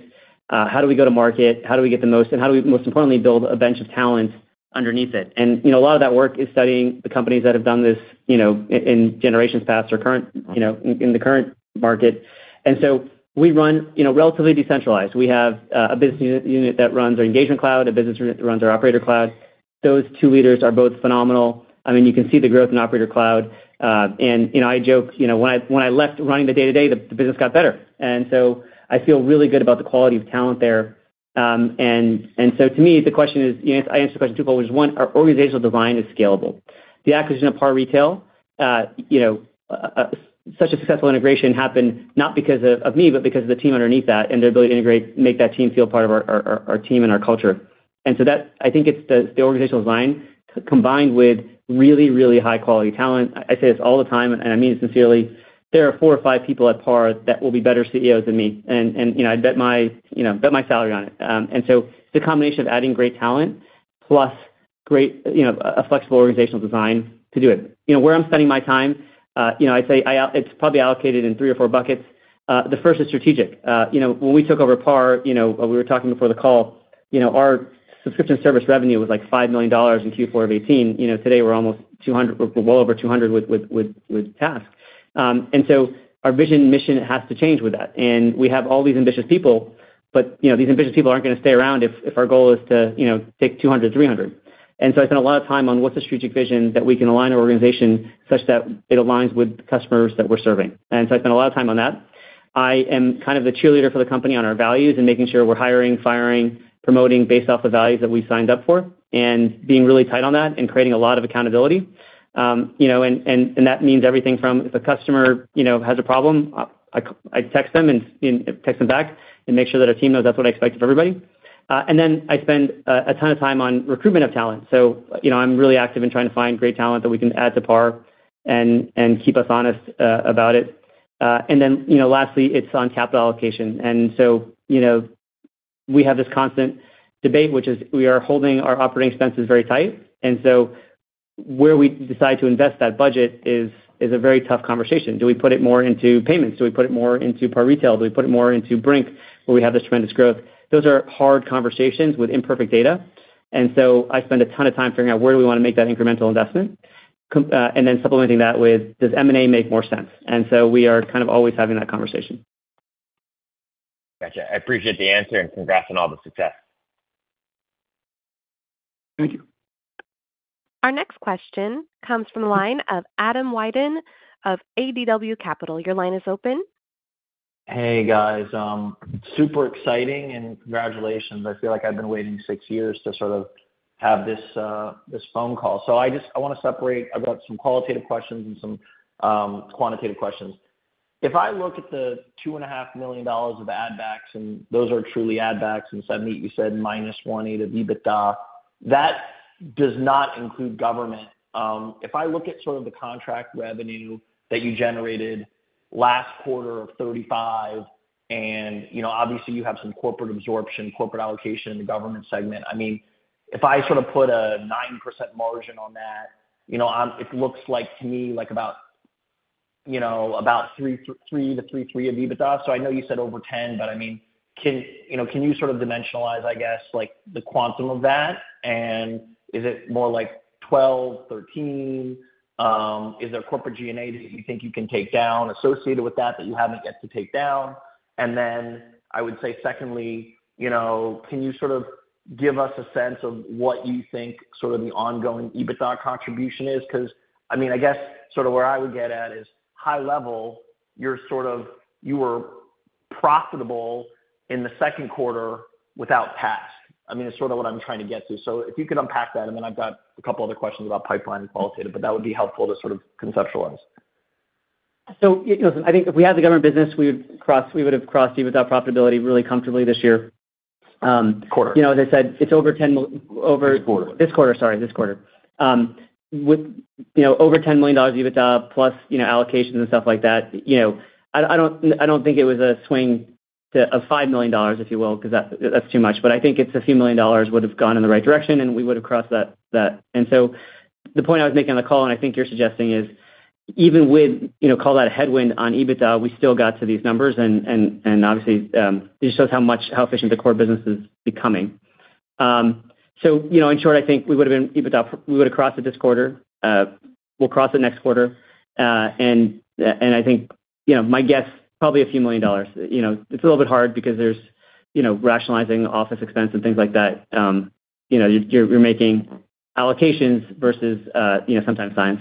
How do we go to market? How do we get the most, and how do we, most importantly, build a bench of talent underneath it? And, you know, a lot of that work is studying the companies that have done this, you know, in generations past or current, you know, in, in the current market. And so we run, you know, relatively decentralized. We have a business unit that runs our Engagement Cloud, a business unit that runs our Operator Cloud. Those two leaders are both phenomenal. I mean, you can see the growth in Operator Cloud. And, you know, I joke, you know, when I left running the day-to-day, the business got better. And so I feel really good about the quality of talent there. And so to me, the question is, you know, I answer the question two ways. One, our organizational design is scalable. The acquisition of PAR Retail, you know, such a successful integration happened not because of me, but because of the team underneath that and their ability to integrate, make that team feel part of our team and our culture. And so that I think it's the organizational design combined with really, really high-quality talent. I say this all the time, and I mean it sincerely: There are four or five people at PAR that will be better CEOs than me, and you know, I'd bet my salary on it. And so it's a combination of adding great talent plus great, you know, a flexible organizational design to do it. You know, where I'm spending my time, you know, I'd say it's probably allocated in three or four buckets. The first is strategic. You know, when we took over PAR, you know, we were talking before the call, you know, our subscription service revenue was, like, $5 million in Q4 of 2018. You know, today, we're almost $200 million, well over $200 million with TASK. And so our vision mission has to change with that. We have all these ambitious people, but, you know, these ambitious people aren't gonna stay around if our goal is to, you know, take 200-300. So I spend a lot of time on what's the strategic vision that we can align our organization such that it aligns with the customers that we're serving. So I spend a lot of time on that. I am kind of the cheerleader for the company on our values and making sure we're hiring, firing, promoting, based off the values that we signed up for, and being really tight on that and creating a lot of accountability. You know, that means everything from if a customer has a problem, I text them and text them back and make sure that our team knows that's what I expect of everybody. Then I spend a ton of time on recruitment of talent. So, you know, I'm really active in trying to find great talent that we can add to PAR and keep us honest about it. And then, you know, lastly, it's on capital allocation. And so, you know, we have this constant debate, which is we are holding our operating expenses very tight, and so where we decide to invest that budget is a very tough conversation. Do we put it more into payments? Do we put it more into PAR Retail? Do we put it more into Brink, where we have this tremendous growth? Those are hard conversations with imperfect data, and so I spend a ton of time figuring out where do we wanna make that incremental investment, and then supplementing that with, does M&A make more sense? So we are kind of always having that conversation. Gotcha. I appreciate the answer, and congrats on all the success. Thank you. Our next question comes from the line of Adam Wyden of ADW Capital. Your line is open. Hey, guys. Super exciting and congratulations. I feel like I've been waiting six years to sort of have this phone call. So I just wanna separate. I've got some qualitative questions and some quantitative questions. If I look at the $2.5 million of add backs, and those are truly add backs, and suddenly you said -18 of EBITDA, that does not include government. If I look at sort of the contract revenue that you generated last quarter of $35 million, and you know, obviously, you have some corporate absorption, corporate allocation in the government segment, I mean, if I sort of put a 9% margin on that, you know, it looks like to me like about, you know, about three to 33 of EBITDA. So I know you said over 10, but I mean, can, you know, can you sort of dimensionalize, I guess, like, the quantum of that? And is it more like 12, 13? Is there corporate G&A that you think you can take down associated with that, that you haven't yet to take down? And then I would say, secondly, you know, can you sort of give us a sense of what you think sort of the ongoing EBITDA contribution is? Because, I mean, I guess sort of where I would get at is high level, you're sort of you were profitable in the second quarter without TASK. I mean, it's sort of what I'm trying to get to. So if you could unpack that, and then I've got a couple other questions about pipeline and qualitative, but that would be helpful to sort of conceptualize. So, you know, I think if we had the government business, we would've crossed, we would have crossed EBITDA profitability really comfortably this year. Quarter. You know, as I said, it's over $10 million. This quarter. This quarter, sorry, this quarter. With, you know, over $10 million EBITDA plus, you know, allocations and stuff like that, you know, I, I don't, I don't think it was a swing to, of $5 million, if you will, because that, that's too much. But I think it's a few million dollars would have gone in the right direction, and we would have crossed that, that. And so the point I was making on the call, and I think you're suggesting, is even with, you know, call that a headwind on EBITDA, we still got to these numbers and, and, and obviously, it just shows how much- how efficient the core business is becoming. So you know, in short, I think we would have been EBITDA, we would have crossed it this quarter, we'll cross it next quarter. I think, you know, my guess, probably a few million dollars. You know, it's a little bit hard because there's, you know, rationalizing office expense and things like that. You know, you're making allocations versus, you know, sometimes signs.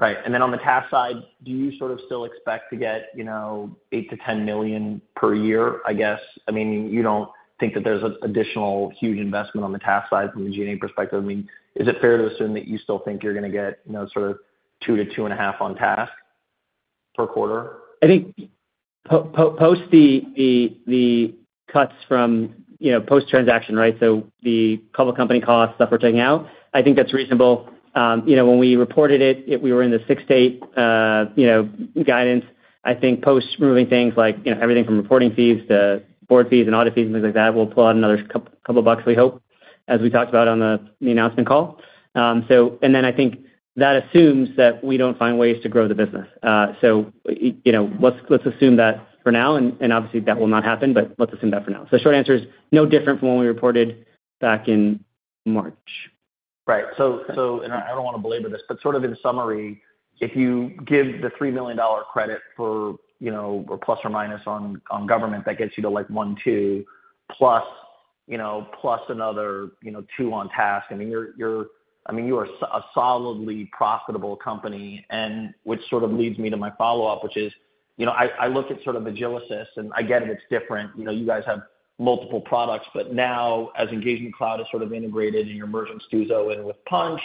Right. And then on the TASK side, do you sort of still expect to get, you know, $8 million-$10 million per year, I guess? I mean, you don't think that there's an additional huge investment on the TASK side from a G&A perspective. I mean, is it fair to assume that you still think you're gonna get, you know, sort of $2 million-$2.5 million on TASK per quarter? I think post the cuts from, you know, post-transaction, right? So the public company costs that we're taking out, I think that's reasonable. You know, when we reported it, we were in the six to eight guidance. I think post moving things like, you know, everything from reporting fees to board fees and audit fees, and things like that, will pull out another couple of bucks, we hope, as we talked about on the announcement call. So and then I think that assumes that we don't find ways to grow the business. You know, let's assume that for now, and obviously, that will not happen, but let's assume that for now. So the short answer is no different from when we reported back in March. Right. So, and I don't want to belabor this, but sort of in summary, if you give the $3 million credit for, you know, or ± on government, that gets you to, like, 1.2 +, you know, + another, you know, two on TASK. I mean, you are a solidly profitable company, and which sort of leads me to my follow-up, which is, you know, I look at sort of Agilysys, and I get it, it's different. You know, you guys have multiple products, but now as Engagement Cloud is sort of integrated and you're merging Stuzo in with Punchh,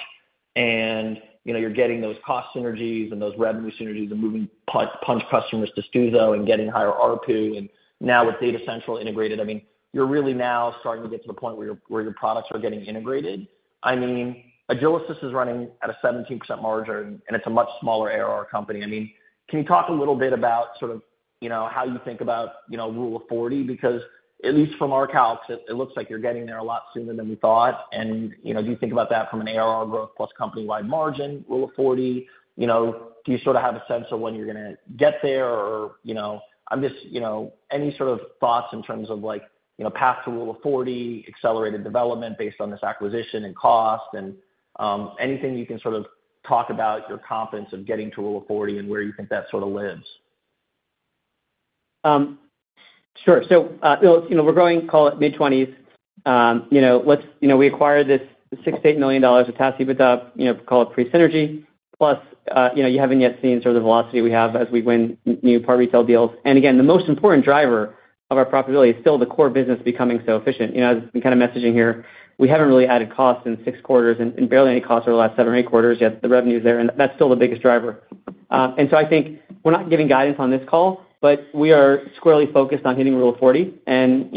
and, you know, you're getting those cost synergies and those revenue synergies and moving Punchh customers to Stuzo and getting higher ARPU, and now with Data Central integrated, I mean, you're really now starting to get to the point where your, where your products are getting integrated. I mean, Agilysys is running at a 17% margin, and it's a much smaller ARR company. I mean, can you talk a little bit about sort of, you know, how you think about, you know, Rule of 40? Because at least from our calcs, it, it looks like you're getting there a lot sooner than we thought. And, you know, do you think about that from an ARR growth plus company-wide margin Rule of 40? You know, do you sort of have a sense of when you're gonna get there or, you know, I'm just, you know, any sort of thoughts in terms of like, you know, path to Rule of 40, accelerated development based on this acquisition and cost, and, anything you can sort of talk about your confidence of getting to Rule of 40 and where you think that sort of lives? Sure. So, you know, you know, we're growing, call it mid-20s. You know, let's, you know, we acquired this $6 million-$8 million of TASK, but, you know, call it pre-synergy. Plus, you know, you haven't yet seen sort of the velocity we have as we win new PAR Retail deals. And again, the most important driver of our profitability is still the core business becoming so efficient. You know, as we've been kind of messaging here, we haven't really added costs in six quarters and, and barely any costs over the last seven or eight quarters, yet the revenue is there, and that's still the biggest driver. And so I think we're not giving guidance on this call, but we are squarely focused on hitting Rule of 40. You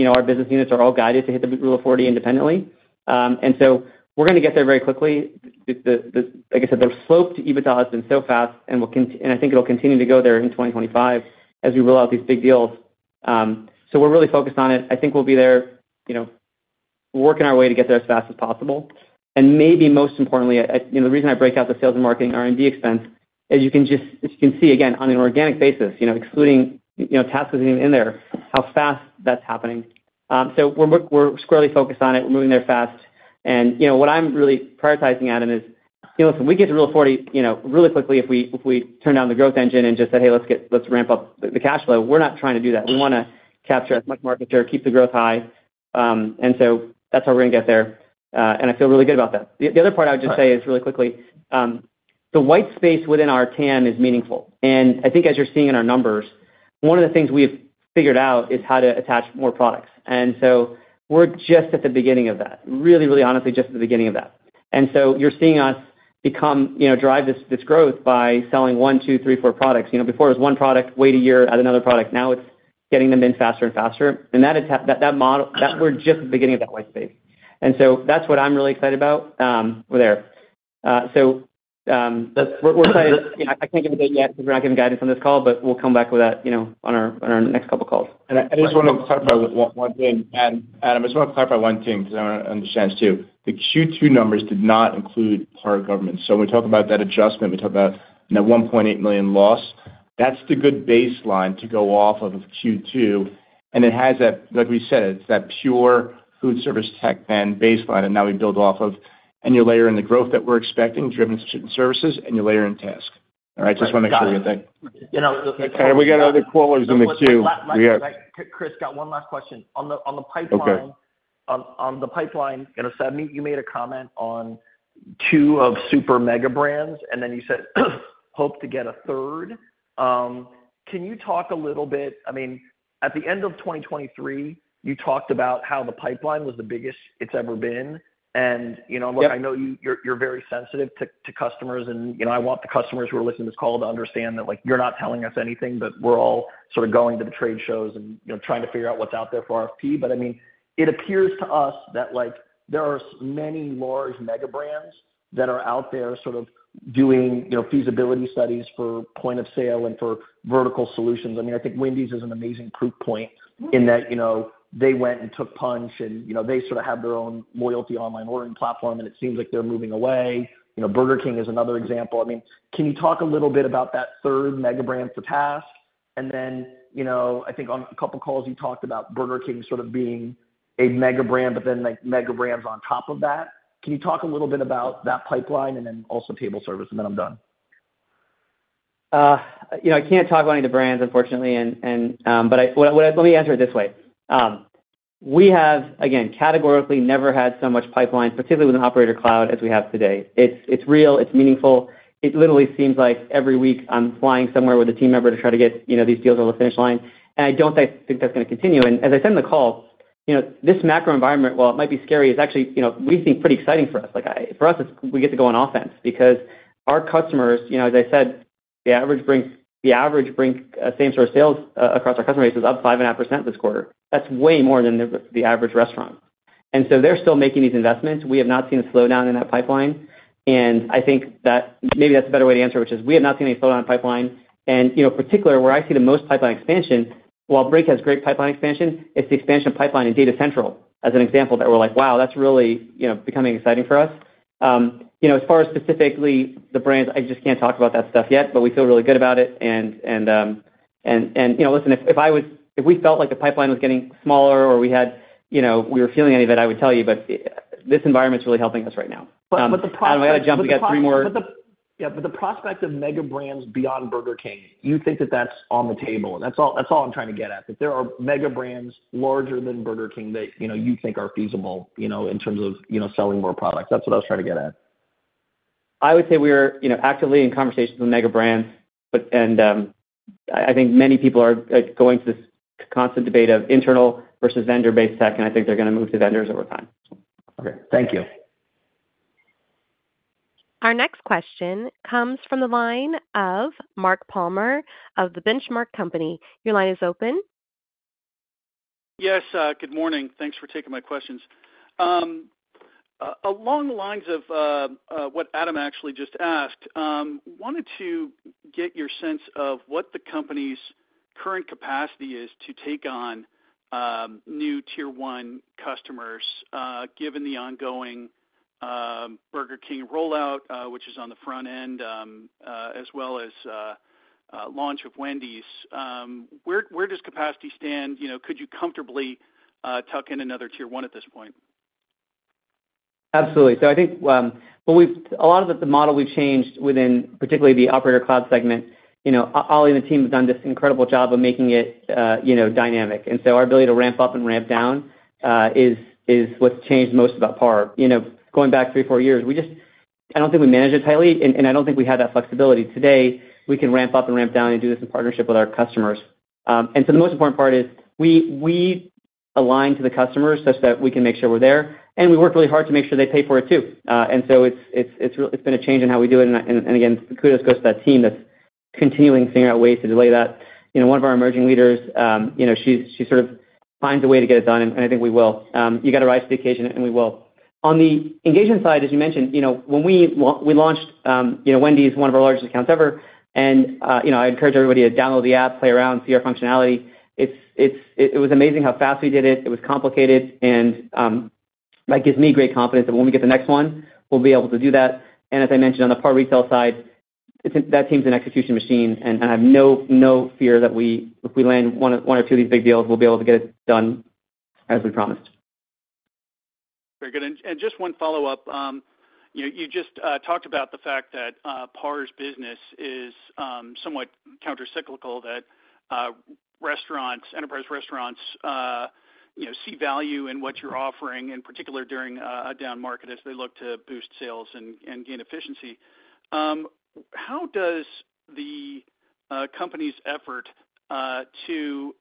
know, our business units are all guided to hit the Rule of 40 independently. So we're gonna get there very quickly. Like I said, the slope to EBITDA has been so fast, and we'll continue, and I think it'll continue to go there in 2025 as we roll out these big deals. So we're really focused on it. I think we'll be there, you know, working our way to get there as fast as possible. And maybe most importantly, you know, the reason I break out the sales and marketing R&D expense is you can just, as you can see, again, on an organic basis, you know, excluding, you know, TASK isn't even in there, how fast that's happening. So we're squarely focused on it. We're moving there fast. You know, what I'm really prioritizing, Adam, is, you know, listen, we get to Rule of 40, you know, really quickly if we, if we turn down the growth engine and just say, "Hey, let's ramp up the cash flow." We're not trying to do that. We wanna capture as much market share, keep the growth high, and so that's how we're gonna get there, and I feel really good about that. The other part I would just say is, really quickly, the white space within our TAM is meaningful. And I think as you're seeing in our numbers, one of the things we've figured out is how to attach more products. And so we're just at the beginning of that. Really, really, honestly, just at the beginning of that. You're seeing us become, you know, drive this growth by selling one, two, three, four products. You know, before it was one product, wait a year, add another product. Now it's getting them in faster and faster. And that is that model, that we're just at the beginning of that white space. And so that's what I'm really excited about with there. So, we're, we're excited. You know, I can't give a date yet because we're not giving guidance on this call, but we'll come back with that, you know, on our next couple of calls. I just want to clarify one thing, Adam. Adam, I just want to clarify one thing because I want to understand this, too. The Q2 numbers did not include PAR Government. So when we talk about that adjustment, we talk about, you know, $1.8 million loss. That's the good baseline to go off of Q2, and it has that, Like we said, it's that pure food service tech brand baseline, and now we build off of, and you layer in the growth that we're expecting, driven certain services, and you layer in TASK. All right, just want to make sure we get that. You know- We got other callers on the queue. We are Chris, got one last question. On the, on the pipeline Okay. On the pipeline, you know, Seth, you made a comment on two of super mega brands, and then you said, "Hope to get a third." Can you talk a little bit I mean, at the end of 2023, you talked about how the pipeline was the biggest it's ever been. You know, look, I know you're very sensitive to customers, and, you know, I want the customers who are listening to this call to understand that, like, you're not telling us anything, but we're all sort of going to the trade shows and, you know, trying to figure out what's out there for RFP. But I mean, it appears to us that, like, there are many large mega brands that are out there sort of doing, you know, feasibility studies for point of sale and for vertical solutions. I mean, I think Wendy's is an amazing proof point in that, you know, they went and took Punchh and, you know, they sort of have their own loyalty online ordering platform, and it seems like they're moving away. You know, Burger King is another example. I mean, can you talk a little bit about that third mega brand for TASK? And then, you know, I think on a couple calls you talked about Burger King sort of being a mega brand, but then, like, mega brands on top of that. Can you talk a little bit about that pipeline and then also table service, and then I'm done. You know, I can't talk about any of the brands, unfortunately, and But let me answer it this way: We have, again, categorically never had so much pipeline, particularly with Operator Cloud, as we have today. It's real, it's meaningful. It literally seems like every week I'm flying somewhere with a team member to try to get, you know, these deals over the finish line, and I don't think that's gonna continue. And as I said in the call, you know, this macro environment, while it might be scary, is actually, you know, we think pretty exciting for us. Like for us, it's we get to go on offense because our customers, you know, as I said, the average Brink, the average Brink same store sales across our customer base is up 5.5% this quarter. That's way more than the average restaurant. And so they're still making these investments. We have not seen a slowdown in that pipeline, and I think that maybe that's a better way to answer, which is we have not seen any slowdown in pipeline. And, you know, particularly where I see the most pipeline expansion, while Brink has great pipeline expansion, it's the expansion of pipeline in Data Central, as an example, that we're like: Wow, that's really, you know, becoming exciting for us. You know, as far as specifically the brands, I just can't talk about that stuff yet, but we feel really good about it. And, you know, listen, if we felt like the pipeline was getting smaller or we had, you know, we were feeling any of that, I would tell you, but, this environment's really helping us right now. But the pro I've got to jump. We got three more. But yeah, the prospect of mega brands beyond Burger King, you think that that's on the table? That's all, that's all I'm trying to get at, that there are mega brands larger than Burger King that, you know, you think are feasible, you know, in terms of, you know, selling more products. That's what I was trying to get at. I would say we're, you know, actively in conversations with mega brands, but... And I think many people are, like, going through this constant debate of internal versus vendor-based tech, and I think they're gonna move to vendors over time. Okay. Thank you. Our next question comes from the line of Mark Palmer of the Benchmark Company. Your line is open. Yes, good morning. Thanks for taking my questions. Along the lines of what Adam actually just asked, wanted to get your sense of what the company's current capacity is to take on new tier one customers, given the ongoing Burger King rollout, which is on the front end, as well as launch of Wendy's. Where does capacity stand? You know, could you comfortably tuck in another tier one at this point? Absolutely. So I think, well, we've changed a lot of the model within particularly the Operator Cloud segment, you know, Oli and the team have done this incredible job of making it, you know, dynamic. And so our ability to ramp up and ramp down is what's changed most about PAR. You know, going back three, four years, we just I don't think we managed it tightly, and I don't think we had that flexibility. Today, we can ramp up and ramp down and do this in partnership with our customers. And so the most important part is we align to the customers such that we can make sure we're there, and we work really hard to make sure they pay for it, too. And so it's been a change in how we do it, and again, kudos goes to that team that's continuing to figure out ways to delay that. You know, one of our emerging leaders, you know, she sort of finds a way to get it done, and I think we will. You got to rise to the occasion, and we will. On the engagement side, as you mentioned, you know, when we launched, you know, Wendy's one of our largest accounts ever, and, you know, I encourage everybody to download the app, play around, see our functionality. It was amazing how fast we did it. It was complicated, and that gives me great confidence that when we get the next one, we'll be able to do that. As I mentioned, on the PAR Retail side, that team's an execution machine, and I have no fear that if we land one or two of these big deals, we'll be able to get it done as we promised. Very good. And just one follow-up. You just talked about the fact that PAR's business is somewhat countercyclical, that restaurants, enterprise restaurants, you know, see value in what you're offering, in particular during a down market as they look to boost sales and gain efficiency. How does the company's effort to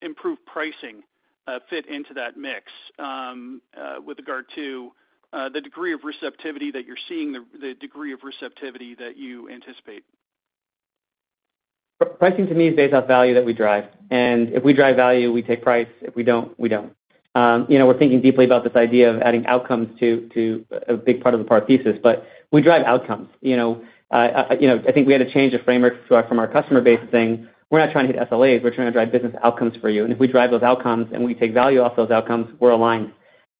improve pricing fit into that mix, with regard to the degree of receptivity that you're seeing, the degree of receptivity that you anticipate? Pricing to me is based off value that we drive, and if we drive value, we take price. If we don't, we don't. You know, we're thinking deeply about this idea of adding outcomes to a big part of the PAR thesis, but we drive outcomes. You know, I think we had a change of framework from our customer base saying, "We're not trying to hit SLAs, we're trying to drive business outcomes for you." And if we drive those outcomes and we take value off those outcomes, we're aligned.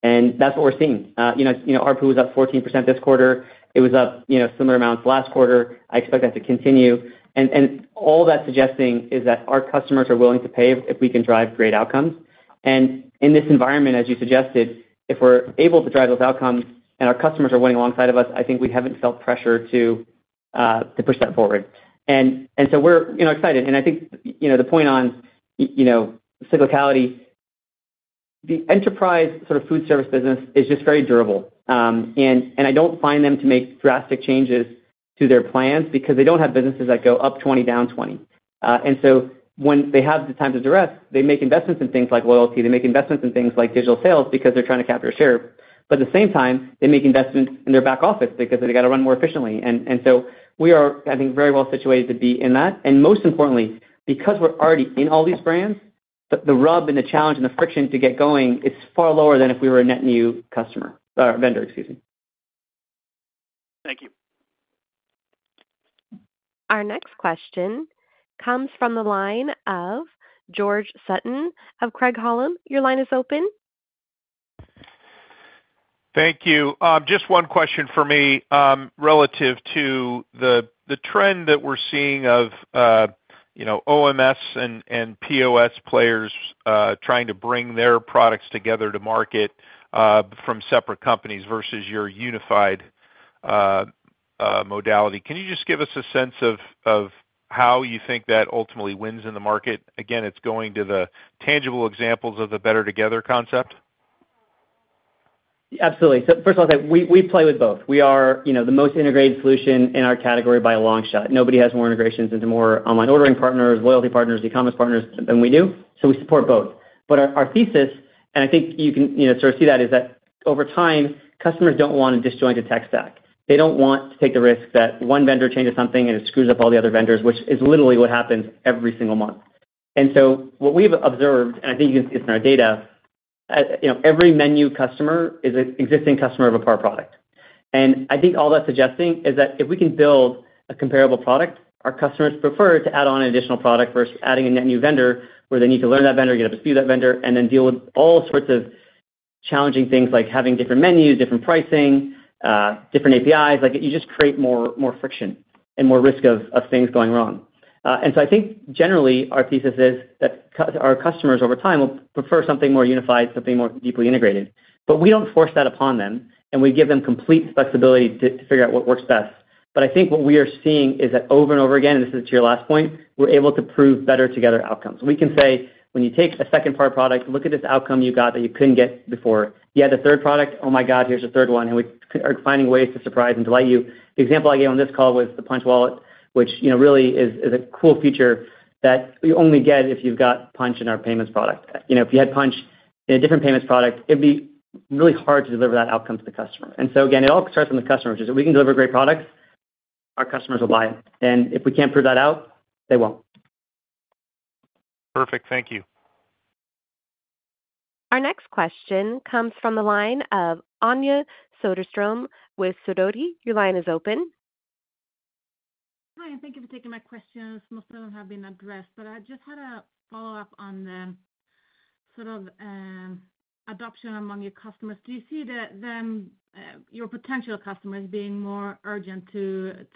And that's what we're seeing. You know, ARPU was up 14% this quarter. It was up, you know, similar amounts last quarter. I expect that to continue. And all that's suggesting is that our customers are willing to pay if we can drive great outcomes. In this environment, as you suggested, if we're able to drive those outcomes and our customers are winning alongside of us, I think we haven't felt pressure to push that forward. And so we're, you know, excited. And I think, you know, the point on cyclicality, the enterprise sort of food service business is just very durable. And I don't find them to make drastic changes to their plans because they don't have businesses that go up 20, down 20. And so when they have the time to address, they make investments in things like loyalty, they make investments in things like digital sales because they're trying to capture share. But at the same time, they make investments in their back office because they got to run more efficiently. And so we are, I think, very well situated to be in that. And most importantly, because we're already in all these brands, the rub and the challenge and the friction to get going is far lower than if we were a net new customer, or a vendor, excuse me. Thank you. Our next question comes from the line of George Sutton of Craig-Hallum. Your line is open. Thank you. Just one question for me, relative to the trend that we're seeing of, you know, OMS and POS players trying to bring their products together to market from separate companies versus your unified modality. Can you just give us a sense of how you think that ultimately wins in the market? Again, it's going to the tangible examples of the better together concept. Absolutely. So first of all, we, we play with both. We are, you know, the most integrated solution in our category by a long shot. Nobody has more integrations into more online ordering partners, loyalty partners, e-commerce partners than we do, so we support both. But our, our thesis, and I think you can, you know, sort of see that, is that over time, customers don't want a disjointed tech stack. They don't want to take the risk that one vendor changes something, and it screws up all the other vendors, which is literally what happens every single month. And so what we've observed, and I think you can see this in our data, you know, every MENU customer is an existing customer of a PAR product. I think all that's suggesting is that if we can build a comparable product, our customers prefer to add on an additional product versus adding a net new vendor, where they need to learn that vendor, get up to speed that vendor, and then deal with all sorts of challenging things like having different menus, different pricing, different APIs. Like, you just create more, more friction and more risk of things going wrong. And so I think generally, our thesis is that our customers, over time, will prefer something more unified, something more deeply integrated. But we don't force that upon them, and we give them complete flexibility to figure out what works best. But I think what we are seeing is that over and over again, and this is to your last point, we're able to prove better together outcomes. We can say, "When you take a second PAR product, look at this outcome you got that you couldn't get before. You had a third product? Oh, my God, here's a third one, and we are finding ways to surprise and delight you." The example I gave on this call was the Punchh Wallet, which, you know, really is a cool feature that you only get if you've got Punchh in our payments product. You know, if you had Punchh in a different payments product, it'd be really hard to deliver that outcome to the customer. And so again, it all starts from the customer, which is, if we can deliver a great product, our customers will buy it. And if we can't prove that out, they won't. Perfect. Thank you. Our next question comes from the line of Anya Soderstrom with Sidoti. Your line is open. Hi, and thank you for taking my questions. Most of them have been addressed, but I just had a follow-up on the sort of adoption among your customers. Do you see your potential customers being more urgent to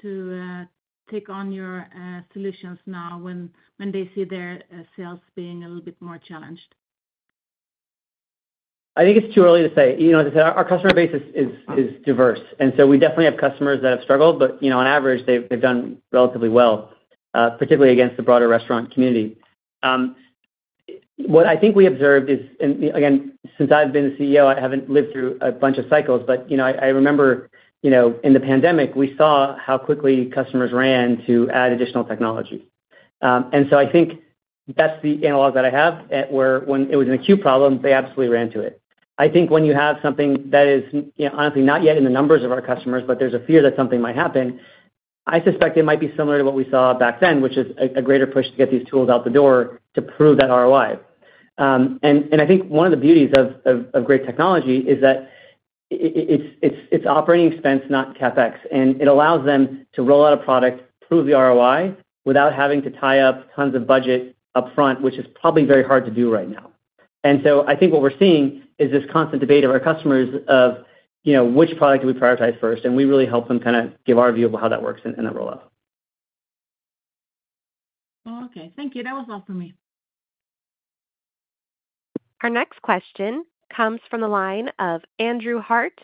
take on your solutions now when they see their sales being a little bit more challenged? I think it's too early to say. You know, as I said, our customer base is diverse, and so we definitely have customers that have struggled, but, you know, on average, they've done relatively well, particularly against the broader restaurant community. What I think we observed is, and again, since I've been the CEO, I haven't lived through a bunch of cycles, but, you know, I remember, you know, in the pandemic, we saw how quickly customers ran to add additional technology. And so I think that's the analog that I have at where when it was an acute problem, they absolutely ran to it. I think when you have something that is, you know, honestly, not yet in the numbers of our customers, but there's a fear that something might happen, I suspect it might be similar to what we saw back then, which is a greater push to get these tools out the door to prove that ROI. And I think one of the beauties of great technology is that it's operating expense, not CapEx, and it allows them to roll out a product, prove the ROI, without having to tie up tons of budget upfront, which is probably very hard to do right now. And so I think what we're seeing is this constant debate of our customers of, you know, which product do we prioritize first, and we really help them kind of give our view of how that works in a rollout. Oh, okay. Thank you. That was all for me. Our next question comes from the line of Andrew Harte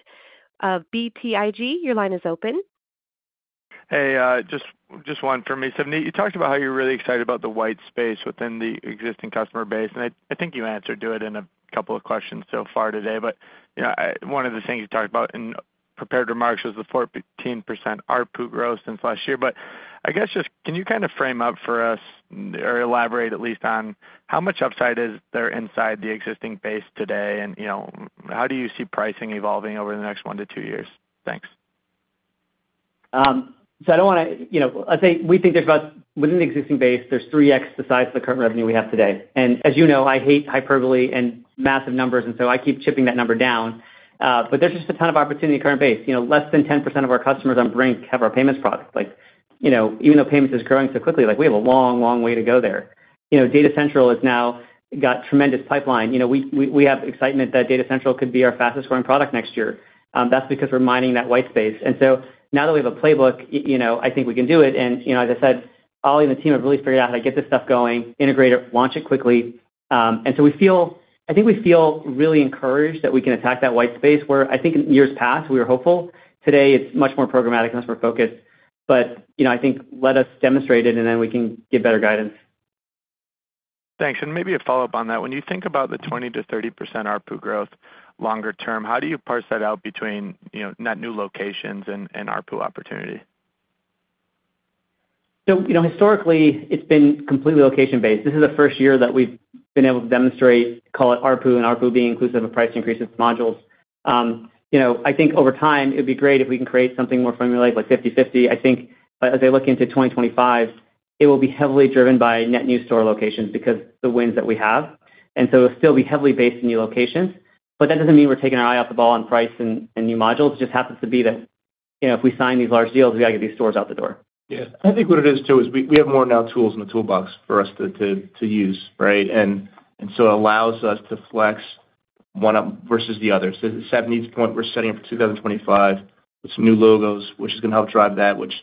of BTIG. Your line is open. Hey, just one for me. [Savneet], you talked about how you're really excited about the white space within the existing customer base, and I think you answered to it in a couple of questions so far today. But you know, one of the things you talked about in prepared remarks was the 14% ARPU growth since last year. But I guess, just can you kind of frame up for us or elaborate at least on how much upside is there inside the existing base today? And you know, how do you see pricing evolving over the next one to two years? Thanks. So I don't wanna, You know, I think we think there's about, within the existing base, there's 3x the size of the current revenue we have today. And as you know, I hate hyperbole and massive numbers, and so I keep chipping that number down. But there's just a ton of opportunity in current base. You know, less than 10% of our customers on Brink have our payments product. Like, you know, even though payments is growing so quickly, like, we have a long, long way to go there. You know, Data Central has now got tremendous pipeline. You know, we have excitement that Data Central could be our fastest growing product next year. That's because we're mining that white space. And so now that we have a playbook, you know, I think we can do it. You know, as I said, Ollie and the team have really figured out how to get this stuff going, integrate it, launch it quickly. And so we feel. I think we feel really encouraged that we can attack that white space, where I think in years past, we were hopeful. Today, it's much more programmatic, much more focused. You know, I think let us demonstrate it, and then we can give better guidance. Thanks. And maybe a follow-up on that. When you think about the 20%-30% ARPU growth longer term, how do you parse that out between, you know, net new locations and, and ARPU opportunity? So, you know, historically, it's been completely location-based. This is the first year that we've been able to demonstrate, call it ARPU, and ARPU being inclusive of price increases modules. You know, I think over time, it'd be great if we can create something more formulated, like 50/50. I think, as I look into 2025, it will be heavily driven by net new store locations because the wins that we have, and so it'll still be heavily based in new locations. But that doesn't mean we're taking our eye off the ball on price and, and new modules. It just happens to be that, you know, if we sign these large deals, we gotta get these stores out the door. Yeah. I think what it is, too, is we, we have more now tools in the toolbox for us to, to, to use, right? And, and so it allows us to flex one up versus the other. So Savneet's point, we're setting up for 2025 with some new logos, which is gonna help drive that, which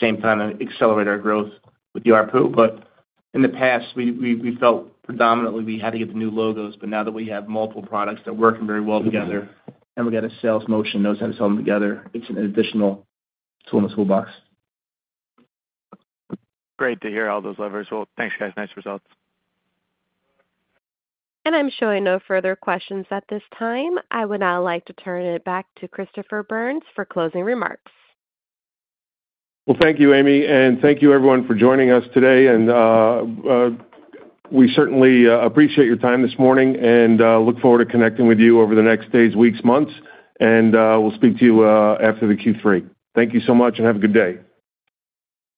same time accelerate our growth with the ARPU. But in the past, we, we, we felt predominantly we had to get the new logos, but now that we have multiple products that are working very well together, and we've got a sales motion, knows how to sell them together, it's an additional tool in the toolbox. Great to hear all those levers. Well, thanks, guys. Nice results. I'm showing no further questions at this time. I would now like to turn it back to Chris Byrnes for closing remarks. Well, thank you, Amy, and thank you everyone for joining us today. We certainly appreciate your time this morning and look forward to connecting with you over the next days, weeks, months, and we'll speak to you after the Q3. Thank you so much, and have a good day.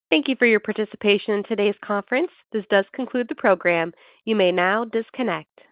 Thank you for your participation in today's conference. This does conclude the program. You may now disconnect.